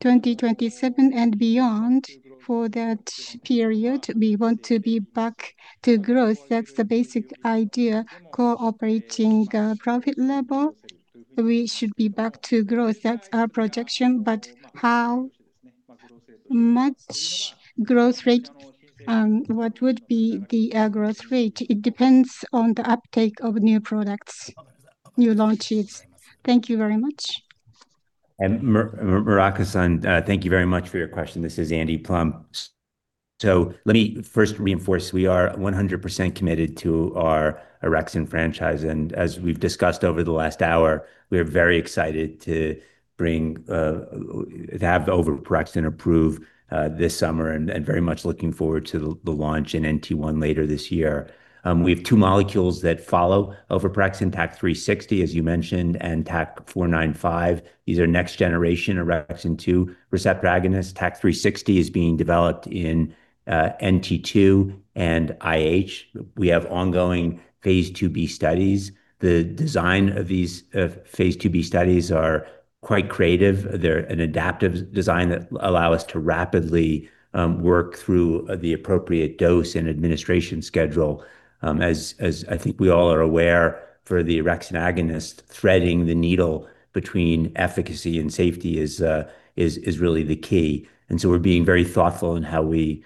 2027 and beyond, for that period we want to be back to growth. That's the basic idea. Core Operating Profit level, we should be back to growth. That's our projection. How much growth rate and what would be the growth rate, it depends on the uptake of new products, new launches. Thank you very much. Muraoka-san, thank you very much for your question. This is Andy Plump. Let me first reinforce, we are 100% committed to our orexin franchise. As we've discussed over the last hour, we are very excited to bring, to have the oveporexton approved this summer and very much looking forward to the launch in NT1 later this year. We have two molecules that follow oveporexton, TAK-360, as you mentioned, and TAK-495. These are next generation orexin 2 receptor agonist. TAK-360 is being developed in NT2 and IH. We have ongoing phase II-B studies. The design of these phase II-B studies are quite creative. They're an adaptive design that allow us to rapidly work through the appropriate dose and administration schedule. As I think we all are aware, for the orexin agonist, threading the needle between efficacy and safety is really the key. So we're being very thoughtful in how we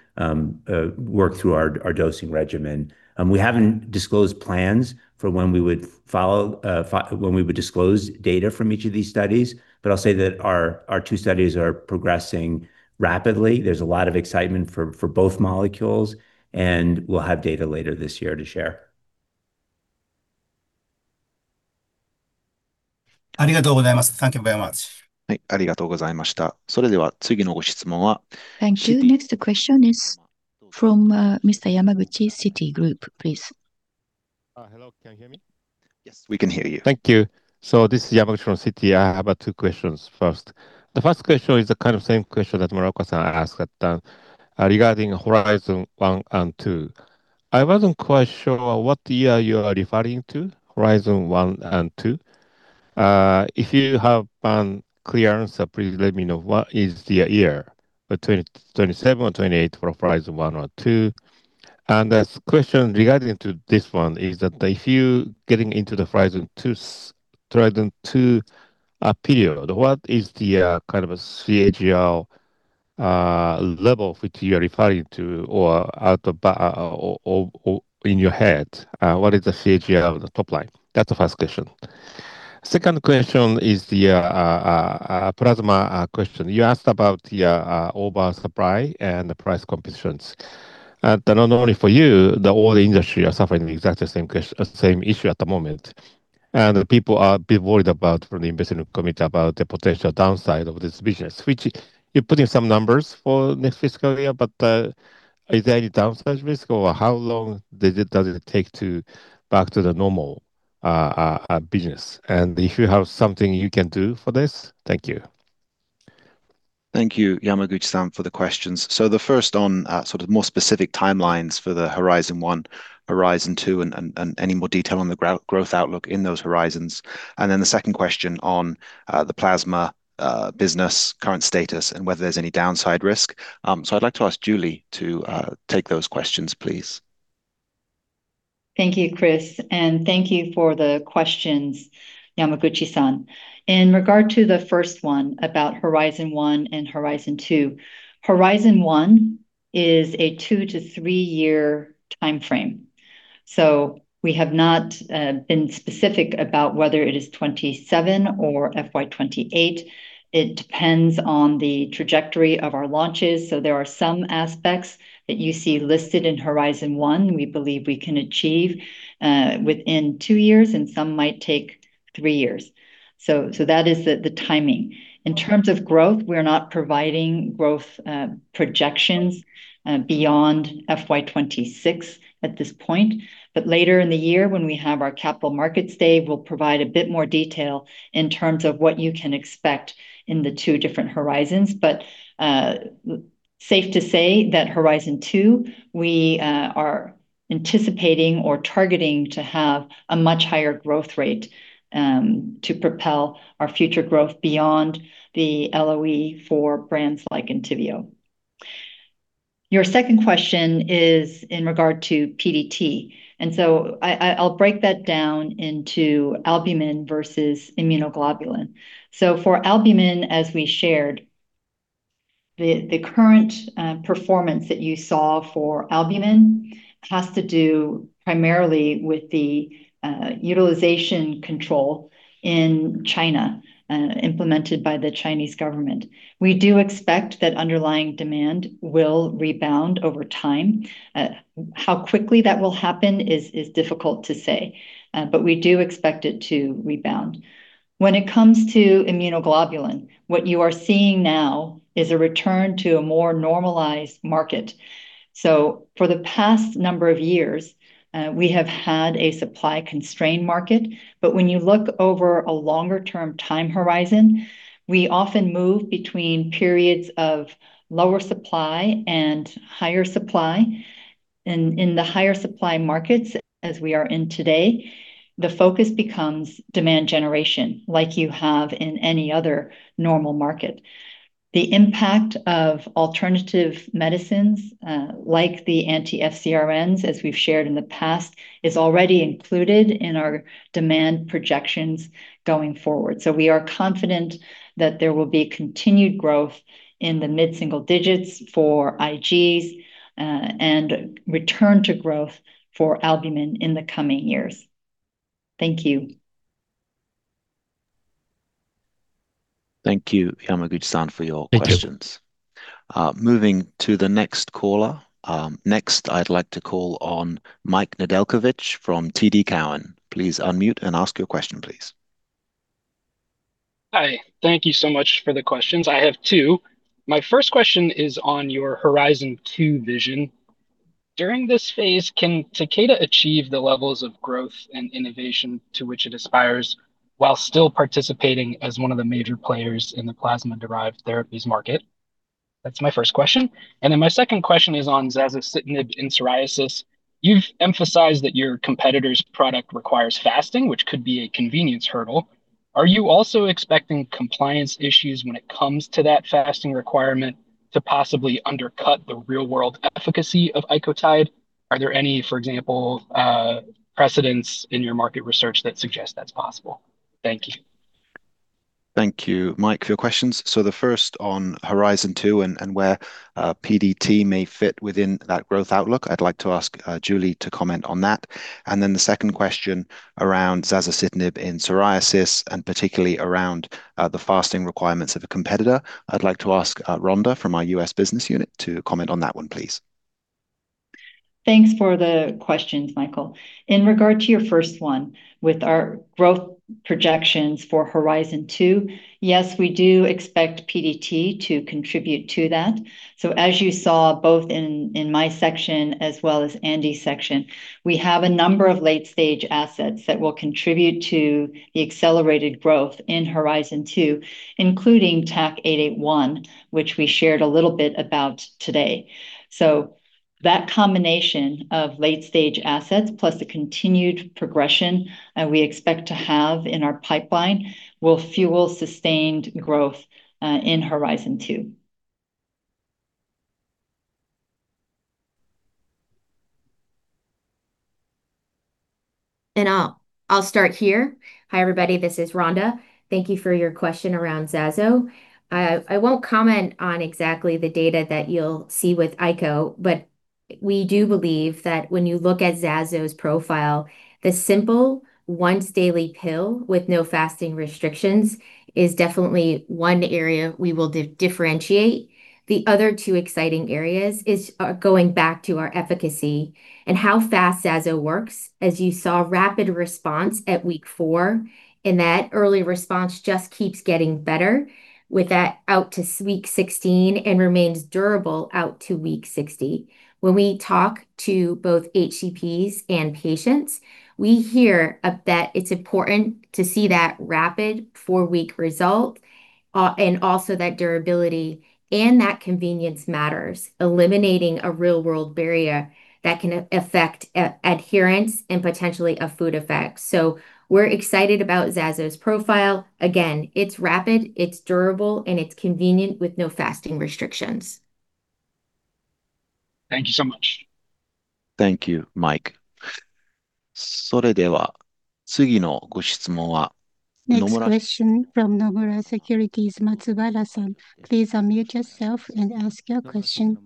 work through our dosing regimen. We haven't disclosed plans for when we would disclose data from each of these studies, but I'll say that our two studies are progressing rapidly. There's a lot of excitement for both molecules, and we'll have data later this year to share. Thank you very much. Thank you. Next question is from Mr. Yamaguchi, Citigroup, please. Hello, can you hear me? Yes, we can hear you. Thank you. This is Yamaguchi from Citi. I have two questions first. The first question is the kind of same question that Muraoka-san asked regarding Horizon One and Two. I wasn't quite sure what year you are referring to, Horizon One and Two. If you have been clear on that, please let me know what is the year 2027 or 2028 for Horizon One or Two. There's question regarding to this one is that if you getting into the Horizon Two period, what is the kind of a CAGR level which you are referring to or in your head, what is the CAGR of the top line? That's the first question. Second question is the plasma question. You asked about the oversupply and the price competitions. Not only for you, the whole industry are suffering the exact same issue at the moment. The people are a bit worried about from the investment committee about the potential downside of this business, which you're putting some numbers for next fiscal year, but is there any downside risk or how long does it take to back to the normal business? If you have something you can do for this. Thank you. Thank you, Yamaguchi-san, for the questions. The first on sort of more specific timelines for the Horizon One, Horizon Two, and any more detail on the growth outlook in those Horizons. The second question on the plasma business current status and whether there's any downside risk. I'd like to ask Julie to take those questions, please. Thank you, Chris, and thank you for the questions, Yamaguchi-san. In regard to the first one about Horizon One and Horizon Two, Horizon One is a two to three year timeframe. We have not been specific about whether it is 2027 or FY 2028. It depends on the trajectory of our launches. There are some aspects that you see listed in Horizon One we believe we can achieve within two years, and some might take three years. That is the timing. In terms of growth, we're not providing growth projections beyond FY 2026 at this point. Later in the year when we have our Capital Markets Day, we'll provide a bit more detail in terms of what you can expect in the two different Horizons. Safe to say that Horizon Two, we are anticipating or targeting to have a much higher growth rate to propel our future growth beyond the LOE for brands like ENTYVIO. Your second question is in regard to PDT. I'll break that down into albumin versus immunoglobulin. For albumin, as we shared, the current performance that you saw for albumin has to do primarily with the utilization control in China implemented by the Chinese government. We do expect that underlying demand will rebound over time. How quickly that will happen is difficult to say, but we do expect it to rebound. When it comes to immunoglobulin, what you are seeing now is a return to a more normalized market. For the past number of years, we have had a supply-constrained market. When you look over a longer-term time Horizon, we often move between periods of lower supply and higher supply. In the higher supply markets, as we are in today, the focus becomes demand generation, like you have in any other normal market. The impact of alternative medicines, like the anti-FcRns, as we've shared in the past, is already included in our demand projections going forward. We are confident that there will be continued growth in the mid-single digits for IGs, and return to growth for albumin in the coming years. Thank you. Thank you, Yamaguchi-san, for your questions. Thank you. Moving to the next caller. Next I'd like to call on Mike Nedelcovych from TD Cowen. Please unmute and ask your question please. Hi. Thank you so much for the questions. I have two. My first question is on your Horizon Two vision. During this phase, can Takeda achieve the levels of growth and innovation to which it aspires while still participating as one of the major players in the plasma-derived therapies market? That's my first question. Then my second question is on zasocitinib in psoriasis. You've emphasized that your competitor's product requires fasting, which could be a convenience hurdle. Are you also expecting compliance issues when it comes to that fasting requirement to possibly undercut the real-world efficacy of Icotyde? Are there any, for example, precedents in your market research that suggest that's possible? Thank you. Thank you, Mike, for your questions. The first on Horizon Two and where PDT may fit within that growth outlook, I'd like to ask Julie to comment on that. The second question around zasocitinib in psoriasis, and particularly around the fasting requirements of a competitor, I'd like to ask Rhonda from our U.S. Business Unit to comment on that one, please. Thanks for the questions, Michael. In regard to your first one, with our growth projections for Horizon Two, yes, we do expect PDT to contribute to that. As you saw both in my section as well as Andy's section, we have a number of late-stage assets that will contribute to the accelerated growth in Horizon Two, including TAK-881, which we shared a little bit about today. That combination of late-stage assets plus the continued progression we expect to have in our pipeline will fuel sustained growth in Horizon Two. I'll start here. Hi, everybody. This is Rhonda. Thank you for your question around zaso. I won't comment on exactly the data that you'll see with Ico, but we do believe that when you look at zaso's profile, the simple once-daily pill with no fasting restrictions is definitely one area we will differentiate. The other two exciting areas are going back to our efficacy and how fast zaso works, as you saw rapid response at week four, and that early response just keeps getting better with that out to week 16 and remains durable out to week 60. When we talk to both HCPs and patients, we hear that it's important to see that rapid four week result, and also that durability and that convenience matters, eliminating a real-world barrier that can affect adherence and potentially a food effect. We're excited about zaso's profile. Again, it's rapid, it's durable, and it's convenient with no fasting restrictions. Thank you so much. Thank you, Mike. Next question from Nomura Securities, Matsubara-san. Please unmute yourself and ask your question.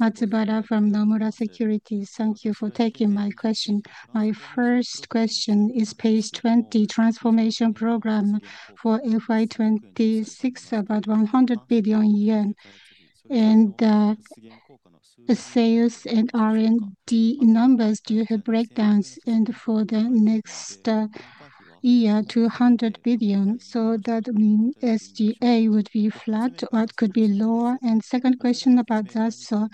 Matsubara from Nomura Securities. Thank you for taking my question. My first question is page 20, transformation program for FY 2026, about JPY 100 billion. The sales and R&D numbers, do you have breakdowns? For the next year, 200 billion, so that mean SG&A would be flat or it could be lower. Second question about zaso.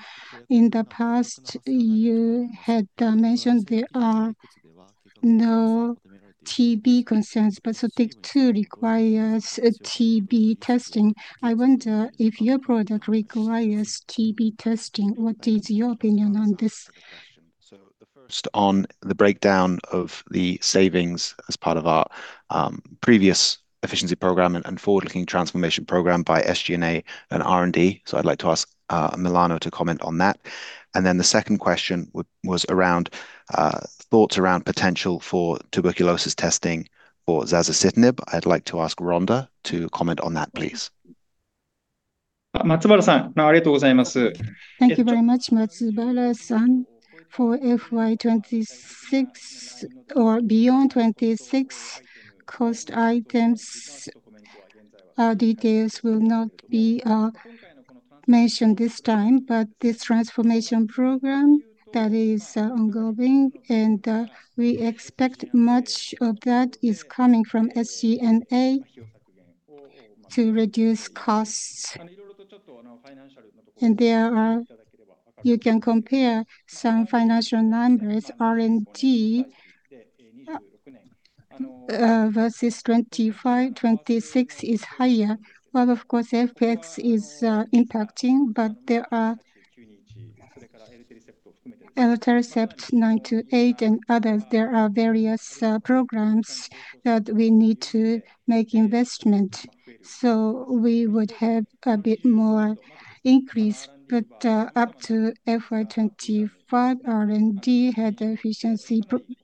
In the past, you had mentioned there are no TB concerns, but SOTYKTU requires a TB testing. I wonder if your product requires TB testing. What is your opinion on this? The first on the breakdown of the savings as part of our previous efficiency program and forward-looking transformation program by SG&A and R&D. I'd like to ask Milano to comment on that. The second question was around thoughts around potential for tuberculosis testing for zasocitinib. I'd like to ask Rhonda to comment on that, please. Thank you very much, Matsubara-san. For FY 2026 or beyond 2026, cost items, details will not be mentioned this time. This transformation program that is ongoing, and we expect much of that is coming from SG&A to reduce costs. There are You can compare some financial numbers, R&D, versus 2025, 2026 is higher. Well, of course, FX is impacting, but there are elacestrant TAK-928 and others. There are various programs that we need to make investment. We would have a bit more increase, but up to FY 2025,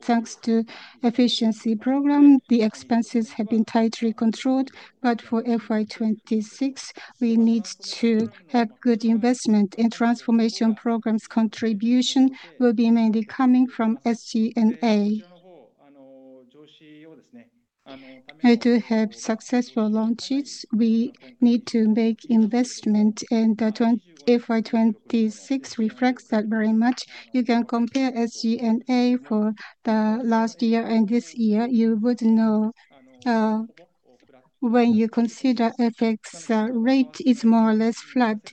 Thanks to efficiency program, the expenses have been tightly controlled, but for FY 2026, we need to have good investment. Transformation programs contribution will be mainly coming from SG&A. To have successful launches, we need to make investment. FY 2026 reflects that very much. You can compare SG&A for the last year and this year. You would know, when you consider FX, rate is more or less flat.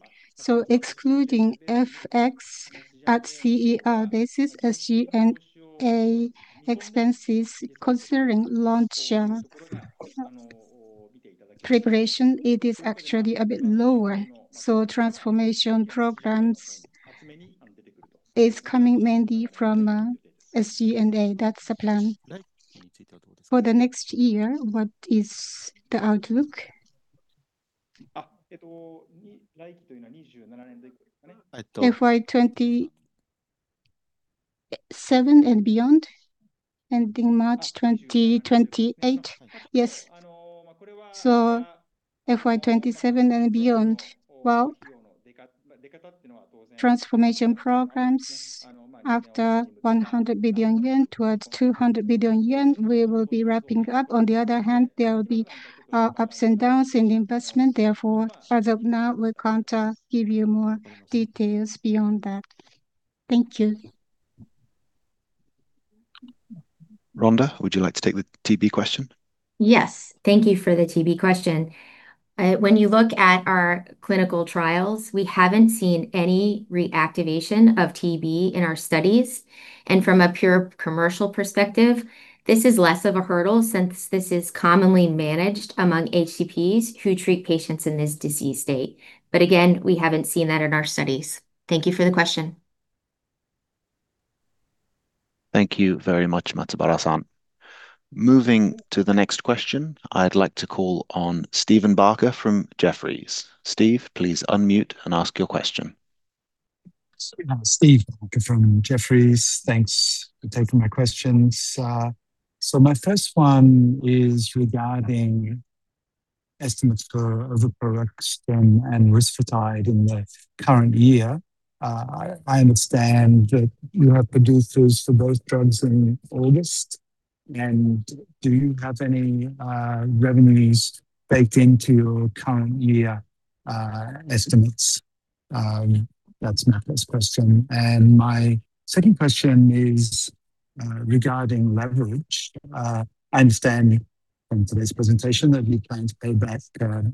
Excluding FX at CER basis, SG&A expenses considering launch preparation, it is actually a bit lower. Transformation programs is coming mainly from SG&A. That's the plan. For the next year, what is the outlook? FY 2027 and beyond, ending March 2028. Yes. FY 2027 and beyond. Well, transformation programs after 100 billion yen towards 200 billion yen, we will be wrapping up. On the other hand, there will be ups and downs in investment. Therefore, as of now, we can't give you more details beyond that. Thank you. Rhonda, would you like to take the TB question? Yes. Thank you for the TB question. When you look at our clinical trials, we haven't seen any reactivation of TB in our studies. From a pure commercial perspective, this is less of a hurdle since this is commonly managed among HCPs who treat patients in this disease state. Again, we haven't seen that in our studies. Thank you for the question. Thank you very much, Matsubara-san. Moving to the next question, I'd like to call on Steven Barker from Jefferies. Steve, please unmute and ask your question. Stephen Barker from Jefferies. Thanks for taking my questions. My first one is regarding estimates for oveporexton and rusfertide in the current year. I understand that you have PDUFAs for both drugs in August. Do you have any revenues baked into your current year estimates? That's my first question. My second question is regarding leverage. I understand from today's presentation that you plan to pay back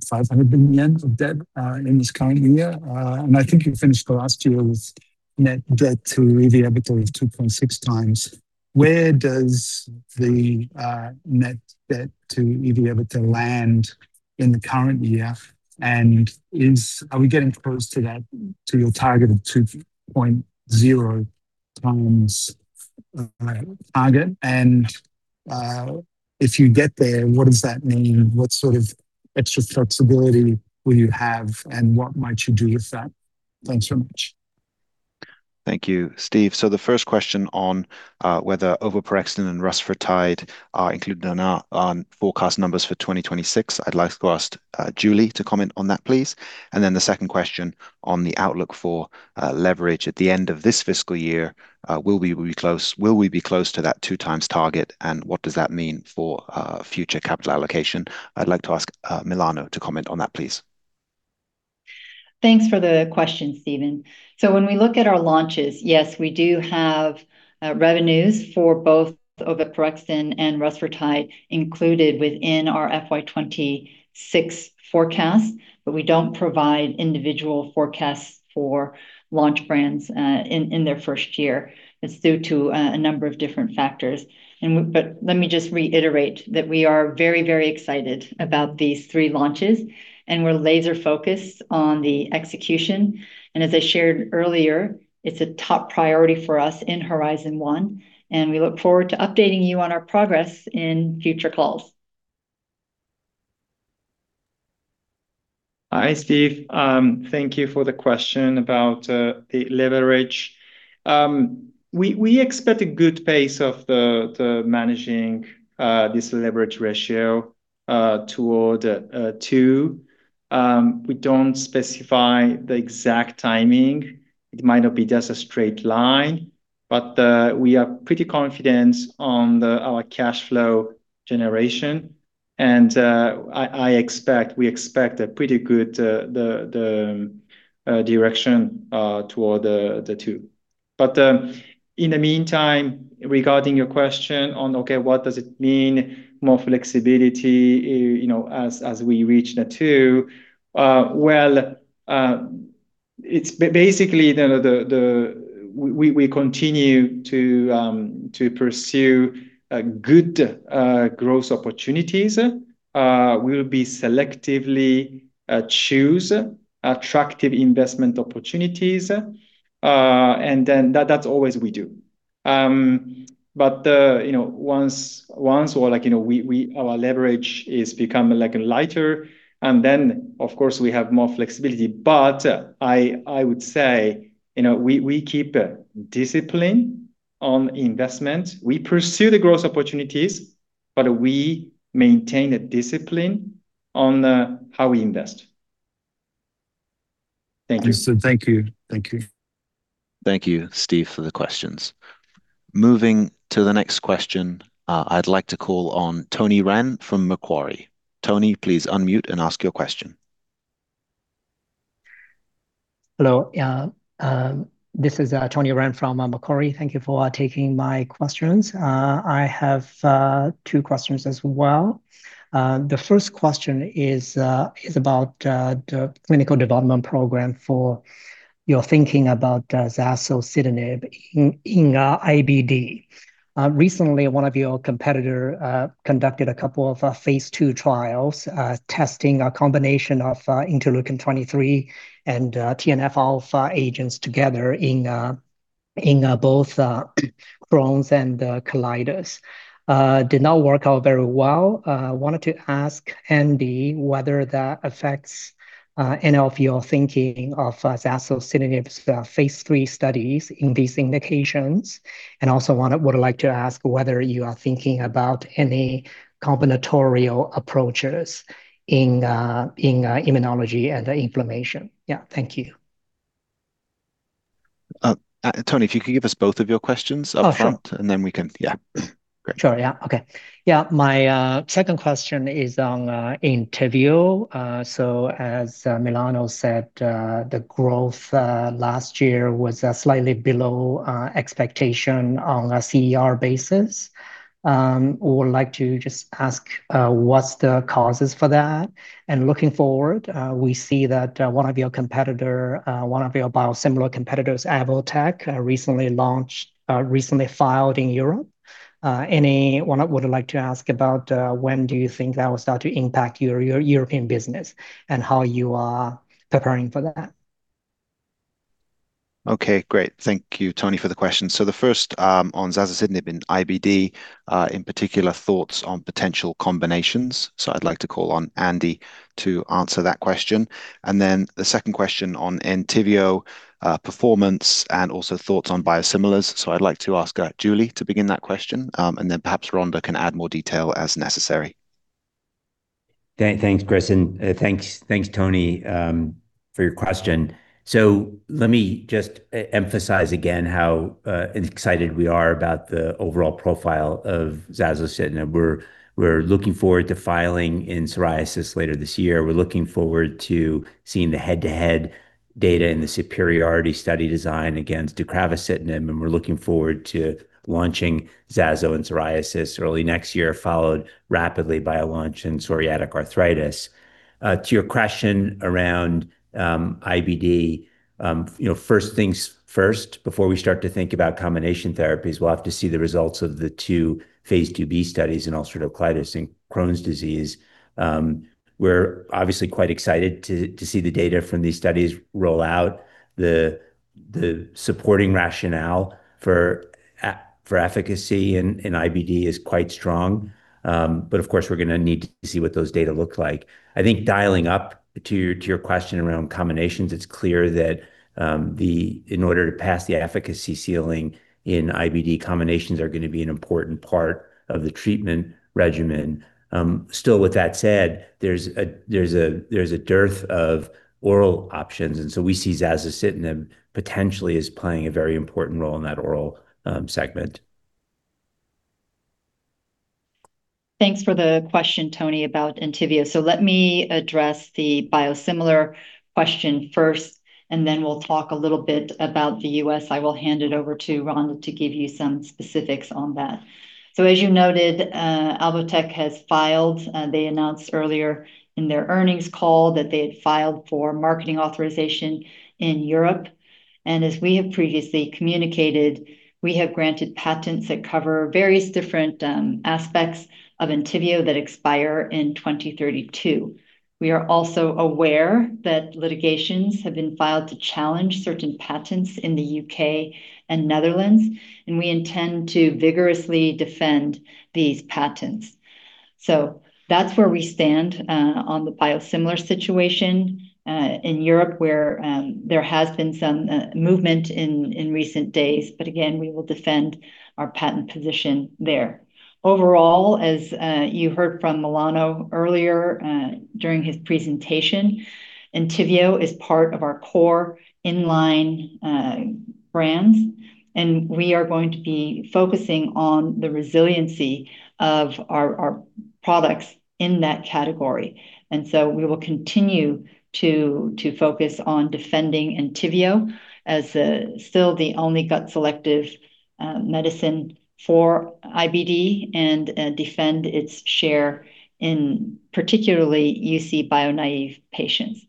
500 billion yen of debt in this current year. I think you finished the last year with net debt-to-EBITDA of 2.6 times. Where does the net debt-to-EBITDA land in the current year, are we getting close to that, to your target of 2.0 times target? If you get there, what does that mean? What sort of extra flexibility will you have, and what might you do with that? Thanks so much. Thank you, Steve. The first question on whether oveporexton and rusfertide are included in our forecast numbers for 2026, I'd like to ask Julie to comment on that, please. The second question on the outlook for leverage at the end of this fiscal year, will we be close to that two times target, and what does that mean for future capital allocation? I'd like to ask Milano to comment on that, please. Thanks for the question, Steven. When we look at our launches, yes, we do have revenues for both oveporexton and rusfertide included within our FY 2026 forecast. We don't provide individual forecasts for launch brands in their first year. It's due to a number of different factors. Let me just reiterate that we are very, very excited about these three launches, and we're laser-focused on the execution. As I shared earlier, it's a top priority for us in Horizon One, and we look forward to updating you on our progress in future calls. Hi, Steve. Thank you for the question about the leverage. We expect a good pace of managing this leverage ratio toward two. We don't specify the exact timing. It might not be just a straight line, but we are pretty confident on our cash flow generation. We expect a pretty good direction toward the two. In the meantime, regarding your question on, okay, what does it mean, more flexibility, you know, as we reach the two. Well, basically we continue to pursue good growth opportunities. We'll be selectively choose attractive investment opportunities, and that's always we do. You know, once or like, you know, we our leverage is become like lighter, and then of course, we have more flexibility. I would say, you know, we keep discipline on investment. We pursue the growth opportunities, but we maintain a discipline on how we invest. Thank you. Listen, thank you. Thank you. Thank you, Steve, for the questions. Moving to the next question, I'd like to call on Tony Ren from Macquarie. Tony, please unmute and ask your question. Hello. This is Tony Ren from Macquarie. Thank you for taking my questions. I have two questions as well. The first question is about the clinical development program for your thinking about zasocitinib in IBD. Recently, one of your competitor conducted a couple of phase II trials testing a combination of interleukin 23 and TNF alpha agents together in both Crohn's and Colitis. Did not work out very well. Wanted to ask Andy whether that affects any of your thinking of zasocitinib's phase III studies in these indications. Also would like to ask whether you are thinking about any combinatorial approaches in immunology and inflammation. Yeah. Thank you. Tony, if you could give us both of your questions. Oh, sure. up front, and then we can. Yeah. Great. Sure. Yeah. Okay. Yeah. My second question is on ENTYVIO. As Milano said, the growth last year was slightly below expectation on a CER basis. Would like to just ask what's the causes for that. Looking forward, we see that one of your competitor, one of your biosimilar competitors, Alvotech, recently filed in Europe. Would like to ask about when do you think that will start to impact your European business and how you are preparing for that? Okay. Great. Thank you, Tony, for the question. The first on zasocitinib in IBD, in particular, thoughts on potential combinations. I'd like to call on Andy to answer that question. The second question on ENTYVIO performance and also thoughts on biosimilars. I'd like to ask Julie to begin that question, and then perhaps Rhonda can add more detail as necessary. Thanks, Chris, and thanks, Tony, for your question. Let me just emphasize again how excited we are about the overall profile of zasocitinib. We're looking forward to filing in psoriasis later this year. We're looking forward to seeing the head-to-head data in the superiority study design against deucravacitinib, and we're looking forward to launching zaso in psoriasis early next year, followed rapidly by a launch in psoriatic arthritis. To your question around IBD, you know, first things first, before we start to think about combination therapies, we'll have to see the results of the two phase II-B studies in ulcerative colitis and Crohn's disease. We're obviously quite excited to see the data from these studies roll out. The supporting rationale for efficacy in IBD is quite strong. Of course, we're gonna need to see what those data look like. I think dialing up to your question around combinations, it's clear that, in order to pass the efficacy ceiling in IBD, combinations are gonna be an important part of the treatment regimen. Still, with that said, there's a dearth of oral options. We see zasocitinib potentially as playing a very important role in that oral segment. Thanks for the question, Tony, about ENTYVIO. Let me address the biosimilar question first, and then we'll talk a little bit about the U.S. I will hand it over to Rhonda to give you some specifics on that. As you noted, Alvotech has filed, they announced earlier in their earnings call that they had filed for marketing authorization in Europe. As we have previously communicated, we have granted patents that cover various different aspects of ENTYVIO that expire in 2032. We are also aware that litigations have been filed to challenge certain patents in the U.K. and Netherlands, and we intend to vigorously defend these patents. That's where we stand on the biosimilar situation in Europe where there has been some movement in recent days. Again, we will defend our patent position there. Overall, as you heard from Milano earlier, during his presentation, ENTYVIO is part of our core in-line brands, and we are going to be focusing on the resiliency of our products in that category. We will continue to focus on defending ENTYVIO as still the only gut-selective medicine for IBD and defend its share in particularly UC bio naive patients.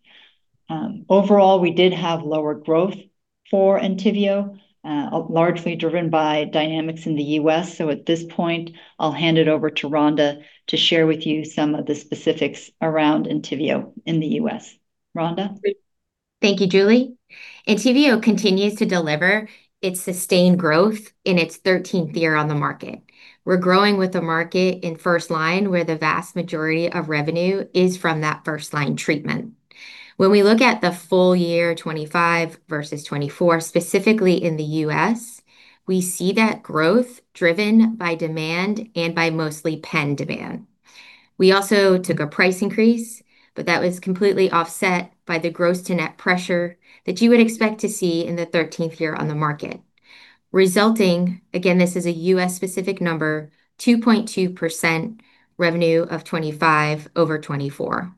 Overall, we did have lower growth for ENTYVIO, largely driven by dynamics in the U.S. At this point, I'll hand it over to Rhonda to share with you some of the specifics around ENTYVIO in the U.S. Rhonda? Thank you, Julie. ENTYVIO continues to deliver its sustained growth in its 13th year on the market. We're growing with the market in first line, where the vast majority of revenue is from that first line treatment. When we look at the full year 2025 versus 2024, specifically in the U.S., we see that growth driven by demand and by mostly pen demand. We also took a price increase, but that was completely offset by the gross to net pressure that you would expect to see in the 13th year on the market, resulting, again, this is a U.S.-specific number, 2.2% revenue of 2025 over 2024.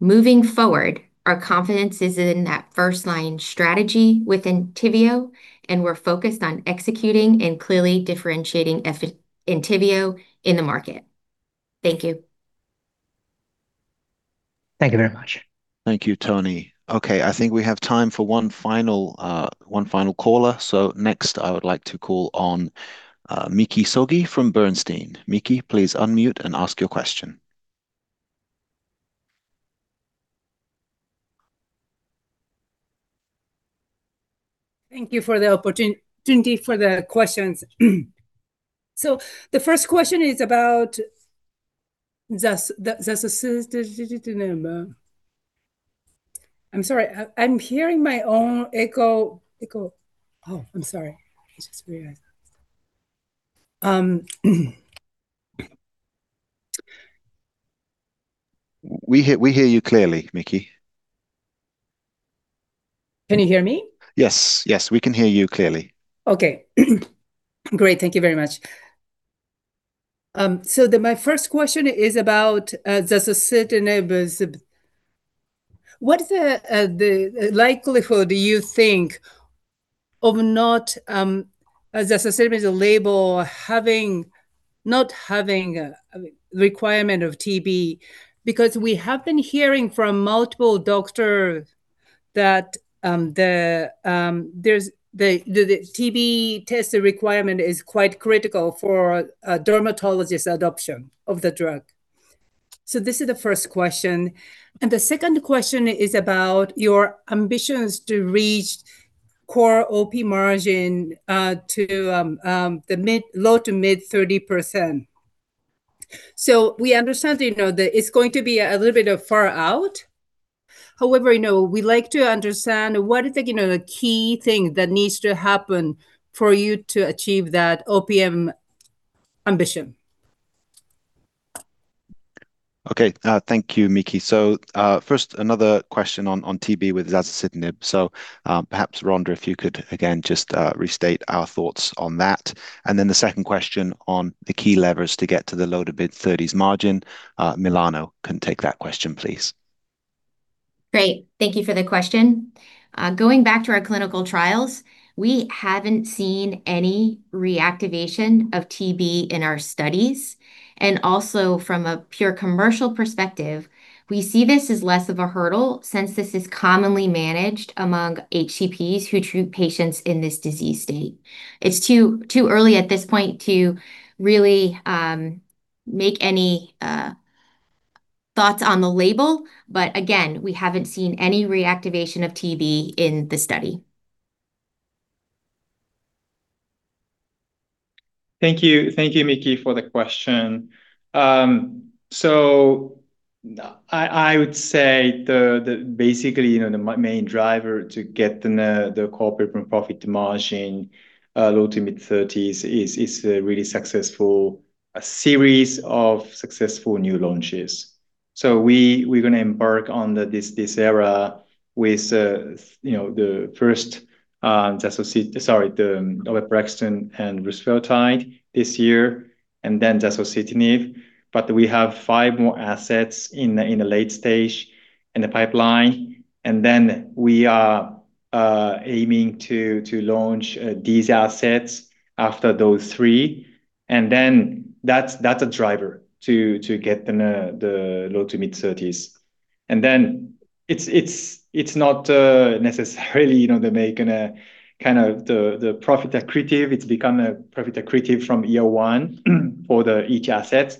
Moving forward, our confidence is in that 1st line strategy with ENTYVIO, and we're focused on executing and clearly differentiating ENTYVIO in the market. Thank you. Thank you very much. Thank you, Tony. Okay, I think we have time for one final, one final caller. Next, I would like to call on Miki Sogi from Bernstein. Miki, please unmute and ask your question. Thank you for the opportunity for the questions. The first question is about zasocitinib. I'm sorry. I'm hearing my own echo. I'm sorry. I just realized that. We hear you clearly, Miki. Can you hear me? Yes. Yes, we can hear you clearly. Okay. Great. Thank you very much. My first question is about zasocitinib. What is the likelihood do you think of zasocitinib label not having a requirement of TB? Because we have been hearing from multiple doctor that the TB testing requirement is quite critical for a dermatologist adoption of the drug. This is the first question. The second question is about your ambitions to reach Core OP margin to the low to mid 30%. We understand, you know, that it's going to be a little bit far out. However, you know, we like to understand what is the key thing that needs to happen for you to achieve that OPM ambition? Okay. Thank you, Miki. First, another question on TB with zasocitinib. Perhaps Rhonda, if you could again just restate our thoughts on that. Then the second question on the key levers to get to the low-to-mid 30s margin, Milano can take that question, please. Great. Thank you for the question. Going back to our clinical trials, we haven't seen any reactivation of TB in our studies. Also from a pure commercial perspective, we see this as less of a hurdle since this is commonly managed among HCPs who treat patients in this disease state. It's too early at this point to really make any thoughts on the label. Again, we haven't seen any reactivation of TB in the study. Thank you. Thank you, Miki, for the question. I would say basically, you know, the main driver to get the corporate profit margin low to mid 30s is a really successful series of successful new launches. We're gonna embark on this era with, you know, the first oveporexton and rusfertide this year, zasocitinib. We have five more assets in the late stage in the pipeline, we are aiming to launch these assets after those three. That's a driver to get the low to mid 30s. It's not necessarily, you know, they make gonna kind of profit accretive. It's become a profit accretive from year one for the each assets.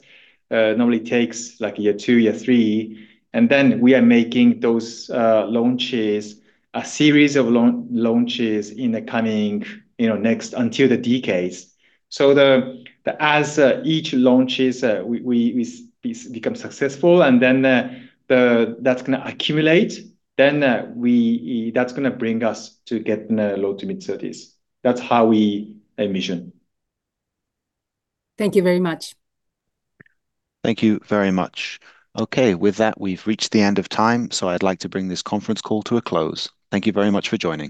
Normally takes like year two, year three, and then we are making those launches, a series of launches in the coming, you know, next until the decades. As each launches, we become successful, and then that's gonna accumulate, then that's gonna bring us to getting a low to mid 30s. That's how we envision. Thank you very much. Thank you very much. Okay. With that, we have reached the end of time, so I would like to bring this conference call to a close. Thank you very much for joining.